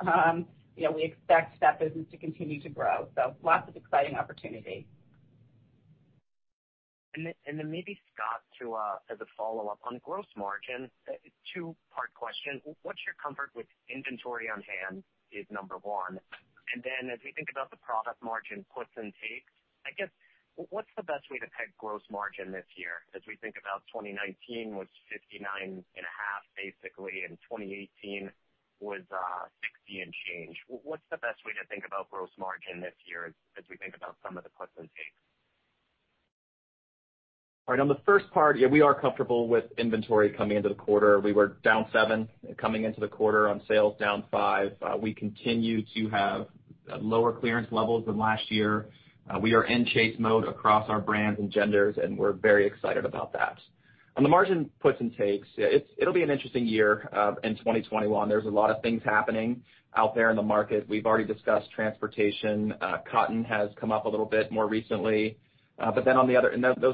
we expect that business to continue to grow. Lots of exciting opportunity. Maybe Scott to as a follow-up on gross margin, a two-part question. What's your comfort with inventory on hand is number one, and then as we think about the product margin puts and takes, I guess, what's the best way to peg gross margin this year as we think about 2019 was 59.5%, basically, and 2018 was 60% and change. What's the best way to think about gross margin this year as we think about some of the puts and takes? All right, on the first part, yeah, we are comfortable with inventory coming into the quarter. We were down seven coming into the quarter, on sales down five. We continue to have lower clearance levels than last year. We are in chase mode across our brands and genders, and we're very excited about that. On the margin puts and takes, it'll be an interesting year in 2021. There's a lot of things happening out there in the market. We've already discussed transportation. Cotton has come up a little bit more recently. Those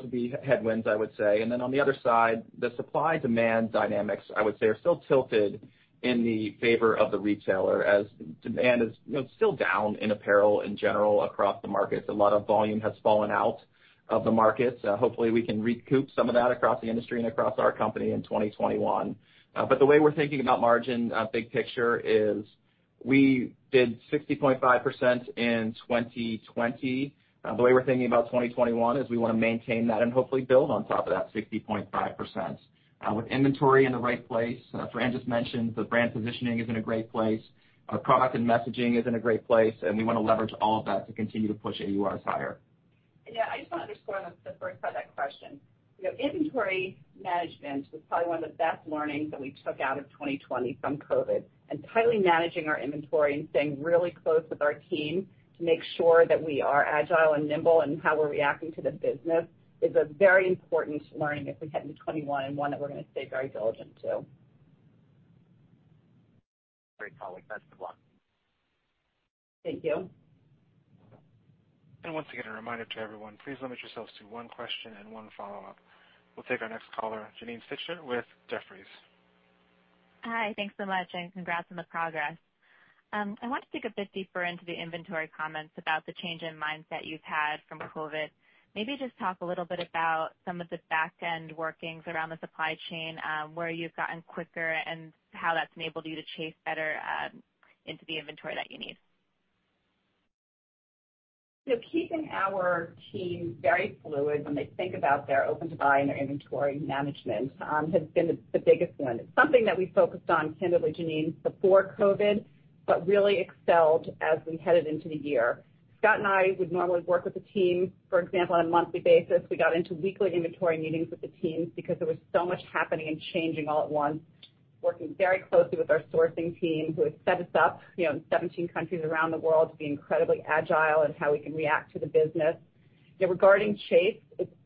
would be headwinds, I would say. Then on the other side, the supply-demand dynamics, I would say, are still tilted in the favor of the retailer as demand is still down in apparel in general across the markets. A lot of volume has fallen out of the markets. Hopefully, we can recoup some of that across the industry and across our company in 2021. The way we're thinking about margin big picture is we did 60.5% in 2020. The way we're thinking about 2021 is we want to maintain that and hopefully build on top of that 60.5%. With inventory in the right place, Fran just mentioned the brand positioning is in a great place. Our product and messaging is in a great place, and we want to leverage all of that to continue to push AURs higher. Yeah, I just want to underscore on the first part of that question. Inventory management was probably one of the best learnings that we took out of 2020 from COVID. Tightly managing our inventory and staying really close with our team to make sure that we are agile and nimble in how we're reacting to the business is a very important learning as we head into 2021, and one that we're going to stay very diligent to. Great, Holly. Best of luck. Thank you. Once again, a reminder to everyone, please limit yourselves to one question and one follow-up. We'll take our next caller, Janine Stichter with Jefferies. Hi. Thanks so much, congrats on the progress. I want to dig a bit deeper into the inventory comments about the change in mindset you've had from COVID. Maybe just talk a little bit about some of the back end workings around the supply chain where you've gotten quicker and how that's enabled you to chase better into the inventory that you need. Keeping our team very fluid when they think about their open-to-buy and their inventory management has been the biggest win. It's something that we focused on, candidly, Janine, before COVID, but really excelled as we headed into the year. Scott and I would normally work with the team, for example, on a monthly basis. We got into weekly inventory meetings with the teams because there was so much happening and changing all at once, working very closely with our sourcing team who had set us up in 17 countries around the world to be incredibly agile in how we can react to the business. Regarding chase,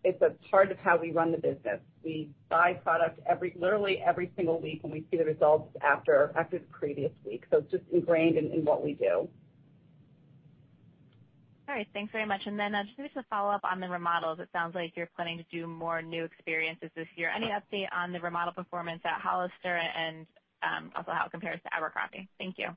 it's a part of how we run the business. We buy product literally every single week when we see the results after the previous week. It's just ingrained in what we do. All right. Thanks very much. Just maybe to follow up on the remodels, it sounds like you're planning to do more new experiences this year. Any update on the remodel performance at Hollister and also how it compares to Abercrombie? Thank you.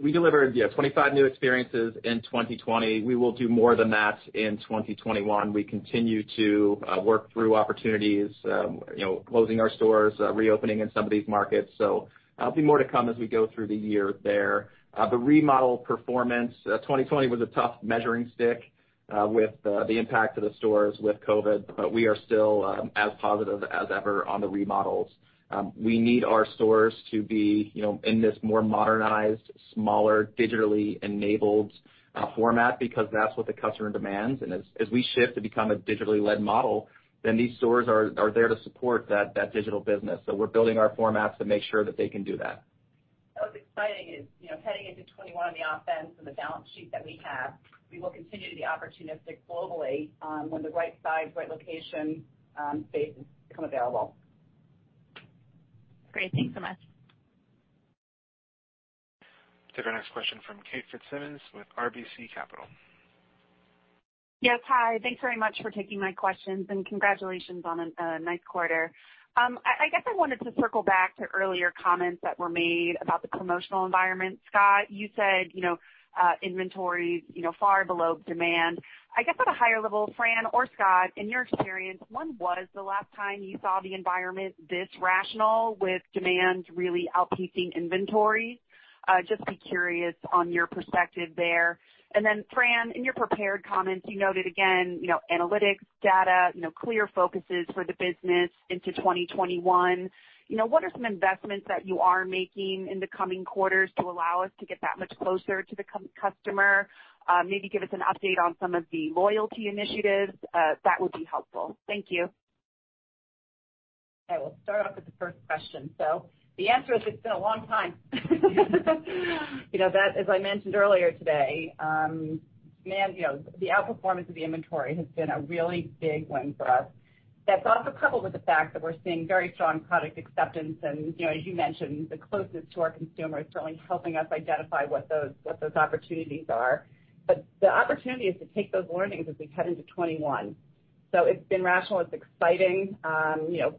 We delivered 25 new experiences in 2020. We will do more than that in 2021. We continue to work through opportunities, closing our stores, reopening in some of these markets. There'll be more to come as we go through the year there. The remodel performance, 2020 was a tough measuring stick with the impact to the stores with COVID. We are still as positive as ever on the remodels. We need our stores to be in this more modernized, smaller, digitally enabled format, because that's what the customer demands. As we shift to become a digitally led model, these stores are there to support that digital business. We're building our formats to make sure that they can do that. What's exciting is, heading into 2021 on the offense and the balance sheet that we have, we will continue to be opportunistic globally when the right size, right location spaces become available. Great. Thanks so much. Take our next question from Kate Fitzsimons with RBC Capital. Yes, hi. Thanks very much for taking my questions. Congratulations on a nice quarter. I guess I wanted to circle back to earlier comments that were made about the promotional environment. Scott, you said inventory far below demand. I guess at a higher level, Fran or Scott, in your experience, when was the last time you saw the environment this rational with demand really outpacing inventory? Just be curious on your perspective there. Fran, in your prepared comments, you noted again analytics, data, clear focuses for the business into 2021. What are some investments that you are making in the coming quarters to allow us to get that much closer to the customer? Maybe give us an update on some of the loyalty initiatives. That would be helpful. Thank you. Okay, we'll start off with the first question. The answer is it's been a long time. As I mentioned earlier today, the outperformance of the inventory has been a really big win for us. That's also coupled with the fact that we're seeing very strong product acceptance and, as you mentioned, the closeness to our consumer is certainly helping us identify what those opportunities are. The opportunity is to take those learnings as we head into 2021. It's been rational. It's exciting.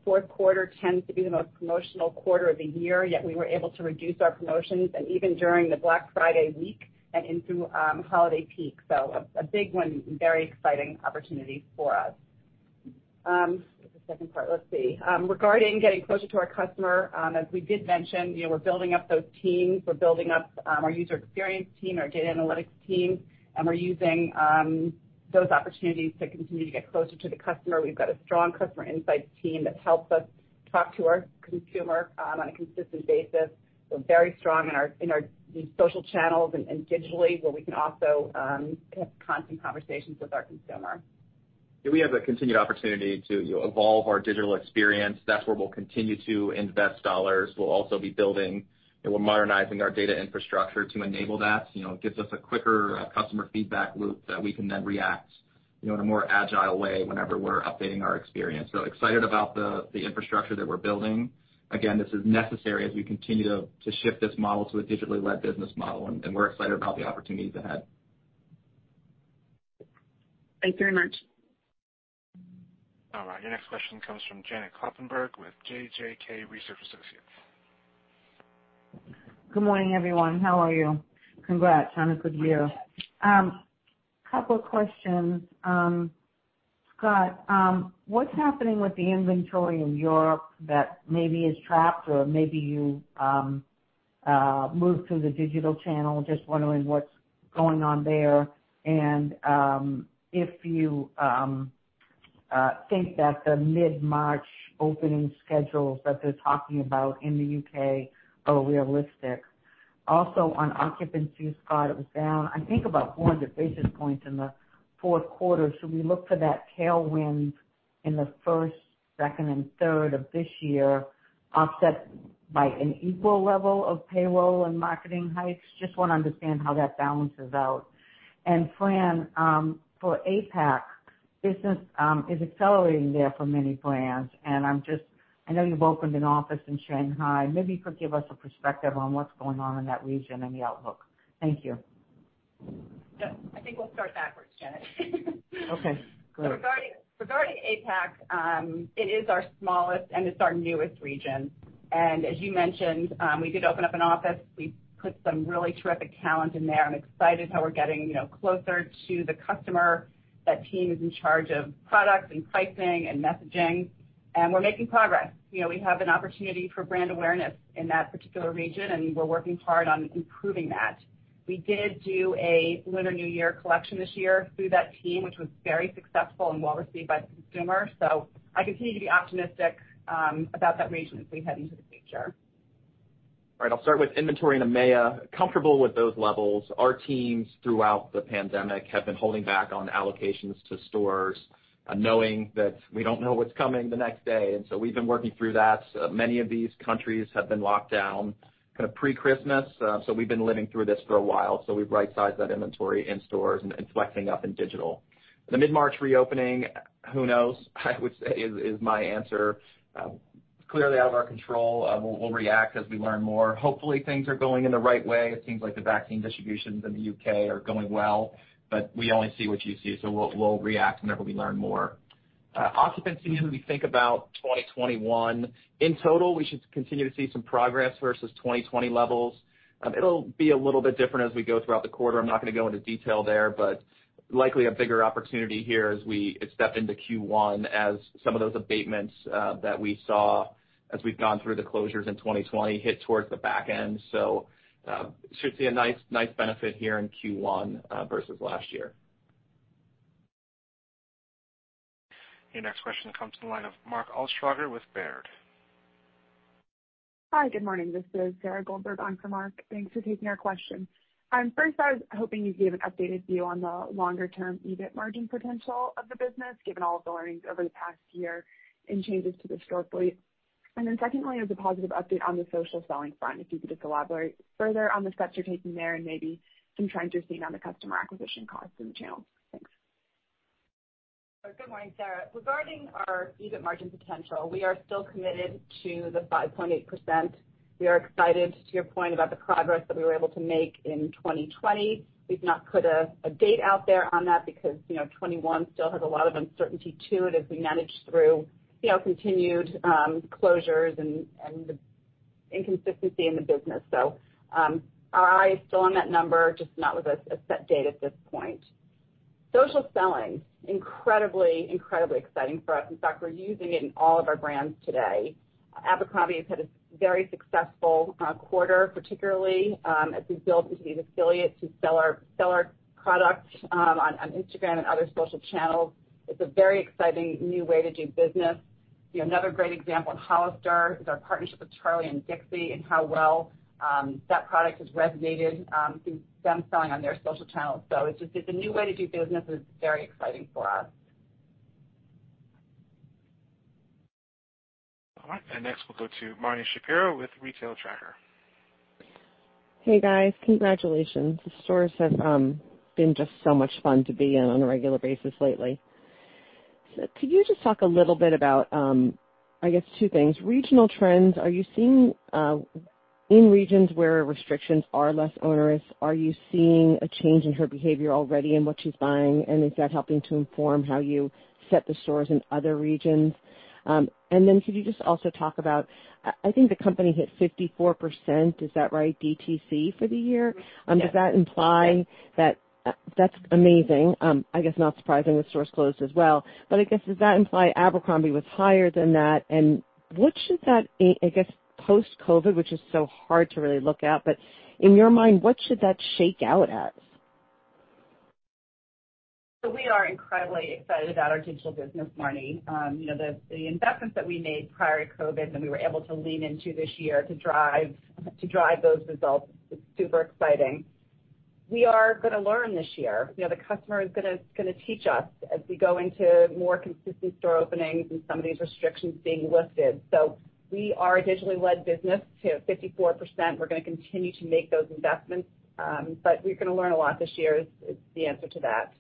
Fourth quarter tends to be the most promotional quarter of the year, yet we were able to reduce our promotions, and even during the Black Friday week and into holiday peak. A big one and very exciting opportunity for us. What was the second part? Let's see. Regarding getting closer to our customer, as we did mention, we're building up those teams. We're building up our user experience team, our data analytics team, and we're using those opportunities to continue to get closer to the customer. We've got a strong customer insights team that helps us talk to our consumer on a consistent basis. Very strong in these social channels and digitally where we can also have constant conversations with our consumer. Yeah, we have a continued opportunity to evolve our digital experience. That's where we'll continue to invest dollars. We'll also be building and we're modernizing our data infrastructure to enable that. Gives us a quicker customer feedback loop that we can then react in a more agile way whenever we're updating our experience. Excited about the infrastructure that we're building. Again, this is necessary as we continue to shift this model to a digitally led business model, and we're excited about the opportunities ahead. Thanks very much. All right, your next question comes from Janet Kloppenburg with JJK Research Associates. Good morning, everyone. How are you? Congrats on a good year. Good. Couple of questions. Scott, what's happening with the inventory in Europe that maybe is trapped or maybe you moved to the digital channel? Just wondering what's going on there, and if you think that the mid-March opening schedules that they're talking about in the U.K. are realistic. Also on occupancy, Scott, it was down, I think, about 400 basis points in the fourth quarter. Should we look for that tailwind in the first, second, and third of this year offset by an equal level of payroll and marketing hikes? Just want to understand how that balances out. Fran, for APAC, business is accelerating there for many brands, and I know you've opened an office in Shanghai. Maybe you could give us a perspective on what's going on in that region and the outlook. Thank you. Yeah. I think we'll start backwards, Janet. Okay, good. Regarding APAC, it is our smallest and it's our newest region. As you mentioned, we did open up an office. We put some really terrific talent in there. I'm excited how we're getting closer to the customer. That team is in charge of products and pricing and messaging, and we're making progress. We have an opportunity for brand awareness in that particular region, and we're working hard on improving that. We did do a Lunar New Year collection this year through that team, which was very successful and well received by the consumer. I continue to be optimistic about that region as we head into the future. All right, I'll start with inventory in EMEA. Comfortable with those levels. Our teams throughout the pandemic have been holding back on allocations to stores, knowing that we don't know what's coming the next day. We've been working through that. Many of these countries have been locked down pre-Christmas, so we've been living through this for a while. We've right-sized that inventory in stores and it's flexing up in digital. The mid-March reopening, who knows, I would say is my answer. Clearly out of our control. We'll react as we learn more. Hopefully, things are going in the right way. It seems like the vaccine distributions in the U.K. are going well, but we only see what you see, so we'll react whenever we learn more. Occupancy, as we think about 2021, in total, we should continue to see some progress versus 2020 levels. It'll be a little bit different as we go throughout the quarter. I'm not going to go into detail there, but likely a bigger opportunity here as we step into Q1 as some of those abatements that we saw as we've gone through the closures in 2020 hit towards the back end. Should see a nice benefit here in Q1 versus last year. Your next question comes to the line of Mark Altschwager with Baird. Hi, good morning. This is Sarah Goldberg on for Mark. Thanks for taking our question. First, I was hoping you could give an updated view on the longer term EBIT margin potential of the business, given all of the learnings over the past year and changes to the store fleet. Then secondly, as a positive update on the social selling front, if you could just elaborate further on the steps you're taking there and maybe some trends you're seeing on the customer acquisition costs in the channel. Thanks. Good morning, Sarah. Regarding our EBIT margin potential, we are still committed to the 5.8%. We are excited, to your point, about the progress that we were able to make in 2020. We've not put a date out there on that because 2021 still has a lot of uncertainty to it as we manage through continued closures and the inconsistency in the business. Our eye is still on that number, just not with a set date at this point. Social selling, incredibly exciting for us. In fact, we're using it in all of our brands today. Abercrombie has had a very successful quarter, particularly as we built these affiliates who sell our products on Instagram and other social channels. It's a very exciting new way to do business. Another great example at Hollister is our partnership with Charli and Dixie and how well that product has resonated through them selling on their social channels. It's a new way to do business that's very exciting for us. All right. Next we'll go to Marni Shapiro with Retail Tracker. Hey, guys. Congratulations. The stores have been just so much fun to be in on a regular basis lately. Could you just talk a little bit about, I guess two things, regional trends. In regions where restrictions are less onerous, are you seeing a change in her behavior already in what she's buying, and is that helping to inform how you set the stores in other regions? Then could you just also talk about, I think the company hit 54%, is that right, DTC for the year? Yes. That's amazing. I guess not surprising with stores closed as well. I guess, does that imply Abercrombie was higher than that, and what should that, I guess post-COVID, which is so hard to really look at, but in your mind, what should that shake out as? We are incredibly excited about our digital business, Marni. The investments that we made prior to COVID that we were able to lean into this year to drive those results is super exciting. We are going to learn this year. The customer is going to teach us as we go into more consistent store openings and some of these restrictions being lifted. We are a digitally led business to 54%. We are going to continue to make those investments. We are going to learn a lot this year is the answer to that.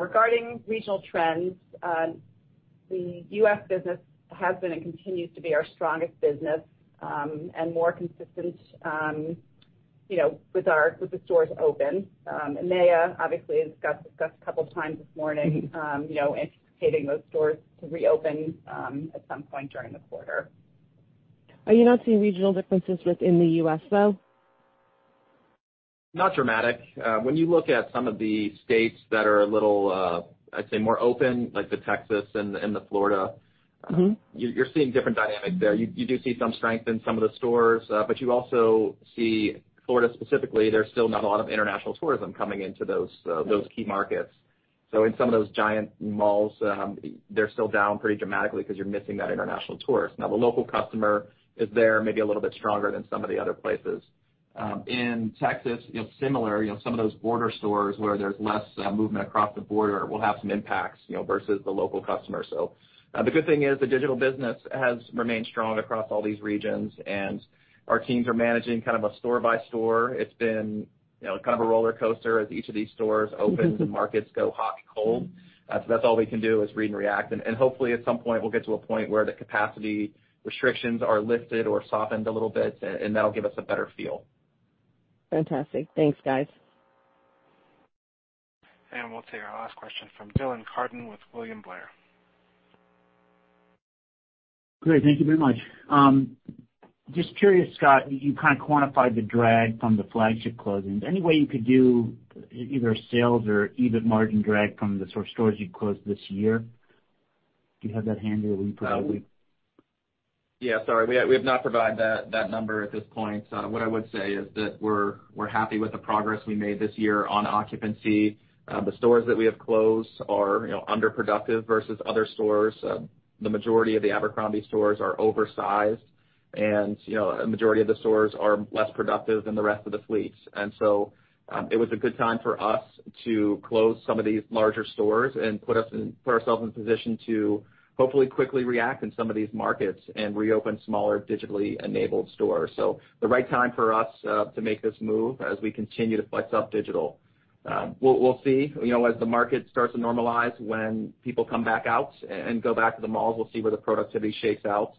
Regarding regional trends, the U.S. business has been and continues to be our strongest business, and more consistent with the stores open. EMEA, obviously, as Scott discussed a couple of times this morning, anticipating those stores to reopen at some point during the quarter. Are you not seeing regional differences within the U.S., though? Not dramatic. When you look at some of the states that are a little, I'd say, more open, like Texas and Florida, you're seeing different dynamics there. You do see some strength in some of the stores. You also see Florida specifically, there's still not a lot of international tourism coming into those key markets. In some of those giant malls, they're still down pretty dramatically because you're missing that international tourist. Now, the local customer is there, maybe a little bit stronger than some of the other places. In Texas, similar, some of those border stores where there's less movement across the border will have some impacts versus the local customer. The good thing is the digital business has remained strong across all these regions, and our teams are managing a store by store. It's been a roller coaster as each of these stores opens and markets go hot and cold. That's all we can do is read and react, and hopefully at some point we'll get to a point where the capacity restrictions are lifted or softened a little bit, and that'll give us a better feel. Fantastic. Thanks, guys. We'll take our last question from Dylan Carden with William Blair. Great. Thank you very much. Just curious, Scott, you quantified the drag from the flagship closings. Any way you could do either sales or EBIT margin drag from the stores you closed this year? Do you have that handy, or will you provide that later? Yeah, sorry. We have not provided that number at this point. What I would say is that we're happy with the progress we made this year on occupancy. The stores that we have closed are underproductive versus other stores. The majority of the Abercrombie stores are oversized and a majority of the stores are less productive than the rest of the fleet. It was a good time for us to close some of these larger stores and put ourselves in position to hopefully quickly react in some of these markets and reopen smaller digitally enabled stores. The right time for us to make this move as we continue to flex up digital. We'll see. As the market starts to normalize, when people come back out and go back to the malls, we'll see where the productivity shakes out.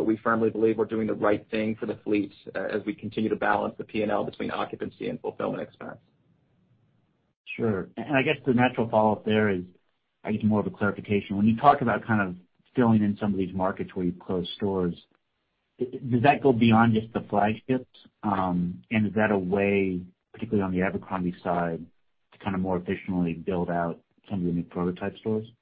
We firmly believe we're doing the right thing for the fleet as we continue to balance the P&L between occupancy and fulfillment expense. Sure. I guess the natural follow-up there is I need more of a clarification. When you talk about kind of filling in some of these markets where you've closed stores, does that go beyond just the flagships? Is that a way, particularly on the Abercrombie side, to kind of more efficiently build out some of your new prototype stores? Is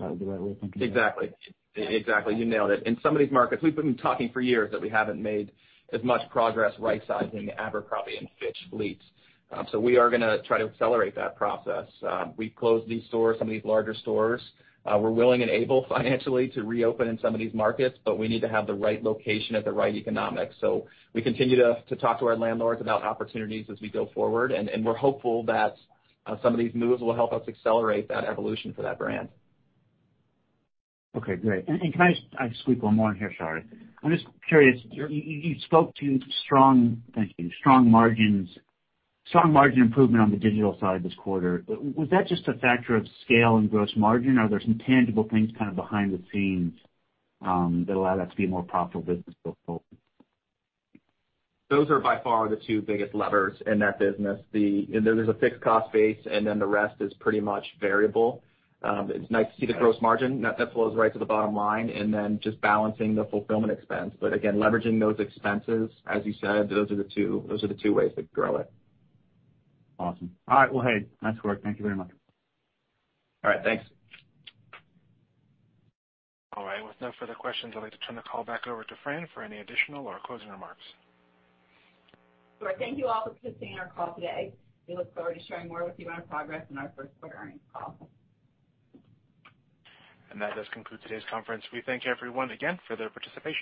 that the right way of thinking about it? Exactly. You nailed it. In some of these markets, we've been talking for years that we haven't made as much progress rightsizing the Abercrombie & Fitch fleet. We are going to try to accelerate that process. We've closed these stores, some of these larger stores. We're willing and able financially to reopen in some of these markets, but we need to have the right location at the right economics. We continue to talk to our landlords about opportunities as we go forward, and we're hopeful that some of these moves will help us accelerate that evolution for that brand. Okay, great. Can I just squeak one more in here? Sorry. I'm just curious, you spoke to strong margins, strong margin improvement on the digital side this quarter. Was that just a factor of scale and gross margin, or are there some tangible things kind of behind the scenes that allow that to be a more profitable business going forward? Those are by far the two biggest levers in that business. There's a fixed cost base. The rest is pretty much variable. It's nice to see the gross margin. That flows right to the bottom line, just balancing the fulfillment expense. Again, leveraging those expenses, as you said, those are the two ways to grow it. Awesome. All right. Well, hey, nice work. Thank you very much. All right. Thanks. All right. With no further questions, I'd like to turn the call back over to Fran for any additional or closing remarks. Sure. Thank you all for participating in our call today. We look forward to sharing more with you on our progress in our first quarter earnings call. That does conclude today's conference. We thank everyone again for their participation.